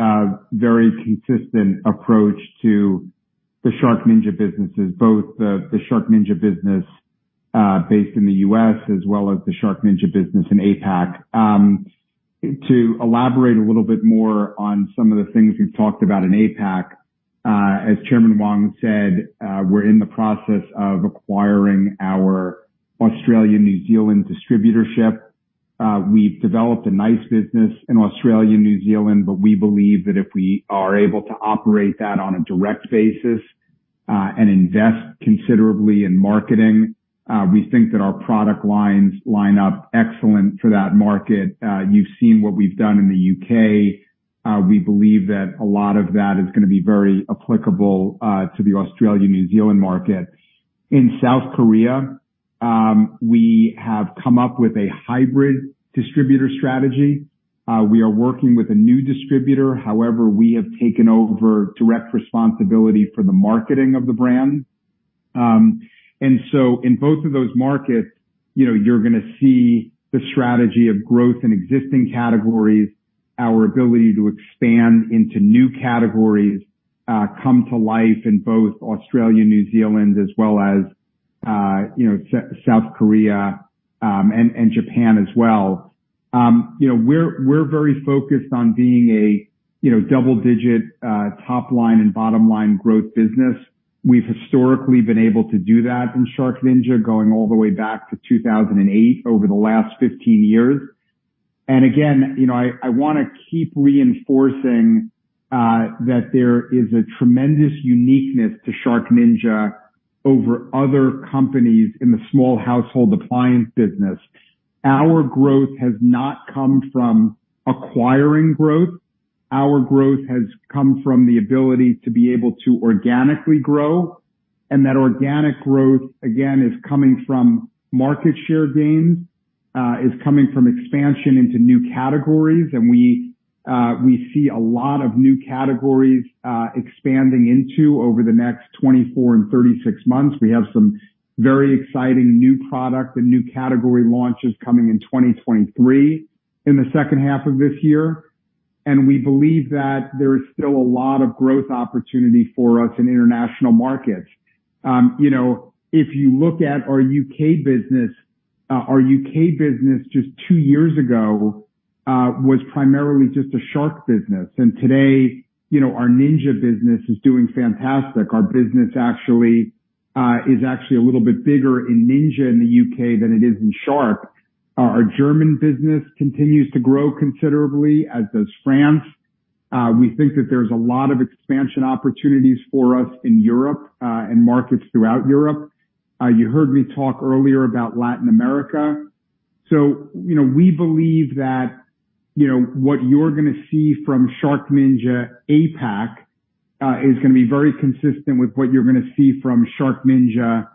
very consistent approach to the SharkNinja businesses, both the SharkNinja business based in the U.S. as well as the SharkNinja business in APAC. To elaborate a little bit more on some of the things we've talked about in APAC, as Chairman Wang said, we're in the process of acquiring our Australian-New Zealand distributorship. We've developed a nice business in Australia and New Zealand, but we believe that if we are able to operate that on a direct basis, and invest considerably in marketing, we think that our product lines line up excellent for that market. You've seen what we've done in the U.K. We believe that a lot of that is gonna be very applicable to the Australian-New Zealand market. In South Korea, we have come up with a hybrid distributor strategy. We are working with a new distributor. However, we have taken over direct responsibility for the marketing of the brand. In both of those markets, you know, you're gonna see the strategy of growth in existing categories, our ability to expand into new categories, come to life in both Australia, New Zealand, as well as, you know, South Korea, and Japan as well. You know, we're very focused on being a, you know, double-digit, top line and bottom line growth business. We've historically been able to do that from SharkNinja, going all the way back to 2008, over the last 15 years. Again, you know, I wanna keep reinforcing that there is a tremendous uniqueness to SharkNinja over other companies in the small household appliance business. Our growth has not come from acquiring growth. Our growth has come from the ability to be able to organically grow, and that organic growth, again, is coming from market share gains. Is coming from expansion into new categories, and we see a lot of new categories expanding into over the next 24 and 36 months. We have some very exciting new product and new category launches coming in 2023, in the second half of this year. We believe that there is still a lot of growth opportunity for us in international markets. You know, if you look at our U.K. business, our U.K. business just two years ago was primarily just a Shark business. Today, you know, our Ninja business is doing fantastic. Our business actually is actually a little bit bigger in Ninja in the U.K. than it is in Shark. Our German business continues to grow considerably, as does France. We think that there's a lot of expansion opportunities for us in Europe and markets throughout Europe. You heard me talk earlier about Latin America. You know, we believe that, you know, what you're gonna see from SharkNinja APAC is gonna be very consistent with what you're gonna see from SharkNinja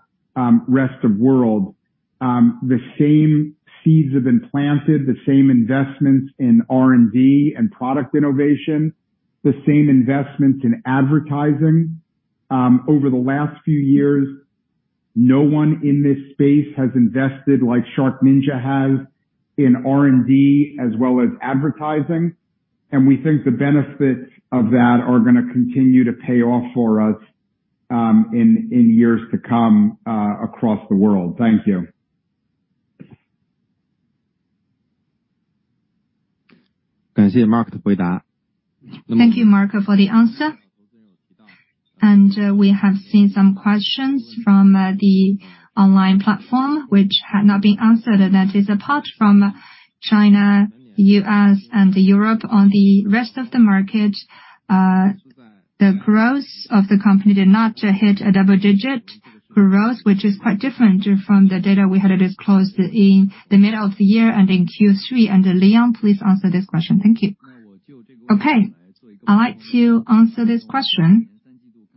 rest of world. The same seeds have been planted, the same investments in R&D and product innovation. The same investments in advertising. Over the last few years, no one in this space has invested like SharkNinja has in R&D as well as advertising. We think the benefits of that are gonna continue to pay off for us in years to come across the world. Thank you. Thank you, Mark, for the answer. We have seen some questions from the online platform which had not been answered, and that is apart from China, U.S., and Europe. On the rest of the market, the growth of the company did not hit a double-digit growth, which is quite different from the data we had disclosed in the middle of the year and in Q3. Wang, please answer this question. Thank you. Okay. I'd like to answer this question.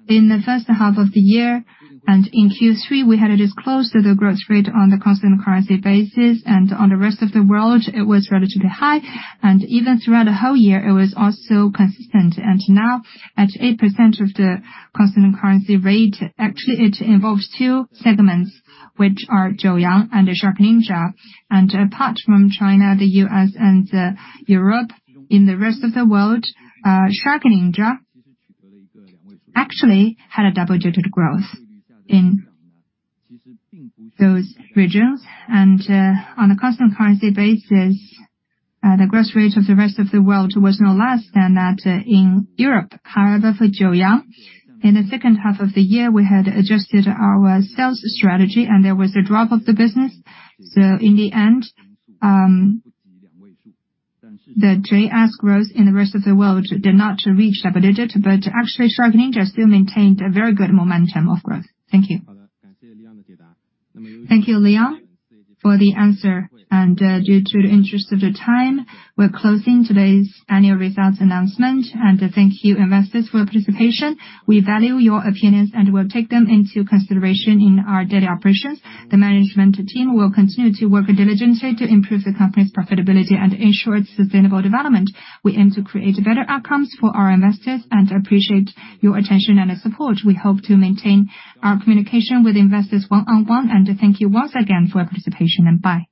In the first half of the year, in Q3, we had disclosed the growth rate on the constant currency basis, and on the rest of the world, it was relatively high. Even throughout the whole year, it was also consistent. Now, at 8% of the constant currency rate, actually it involves two segments, which are Joyoung and SharkNinja. Apart from China, the U.S. and Europe, in the rest of the world, SharkNinja actually had a double-digit growth in those regions. On a constant currency basis, the growth rate of the rest of the world was no less than that in Europe. However, for Joyoung, in the second half of the year, we had adjusted our sales strategy and there was a drop of the business. In the end, the JS growth in the rest of the world did not reach double digit. Actually, SharkNinja still maintained a very good momentum of growth. Thank you. Thank you, Wang, for the answer. Due to the interest of the time, we're closing today's annual results announcement. Thank you, investors for your participation. We value your opinions and will take them into consideration in our daily operations. The management team will continue to work diligently to improve the company's profitability and ensure its sustainable development. We aim to create better outcomes for our investors and appreciate your attention and support. We hope to maintain our communication with investors one on one. Thank you once again for your participation, and bye.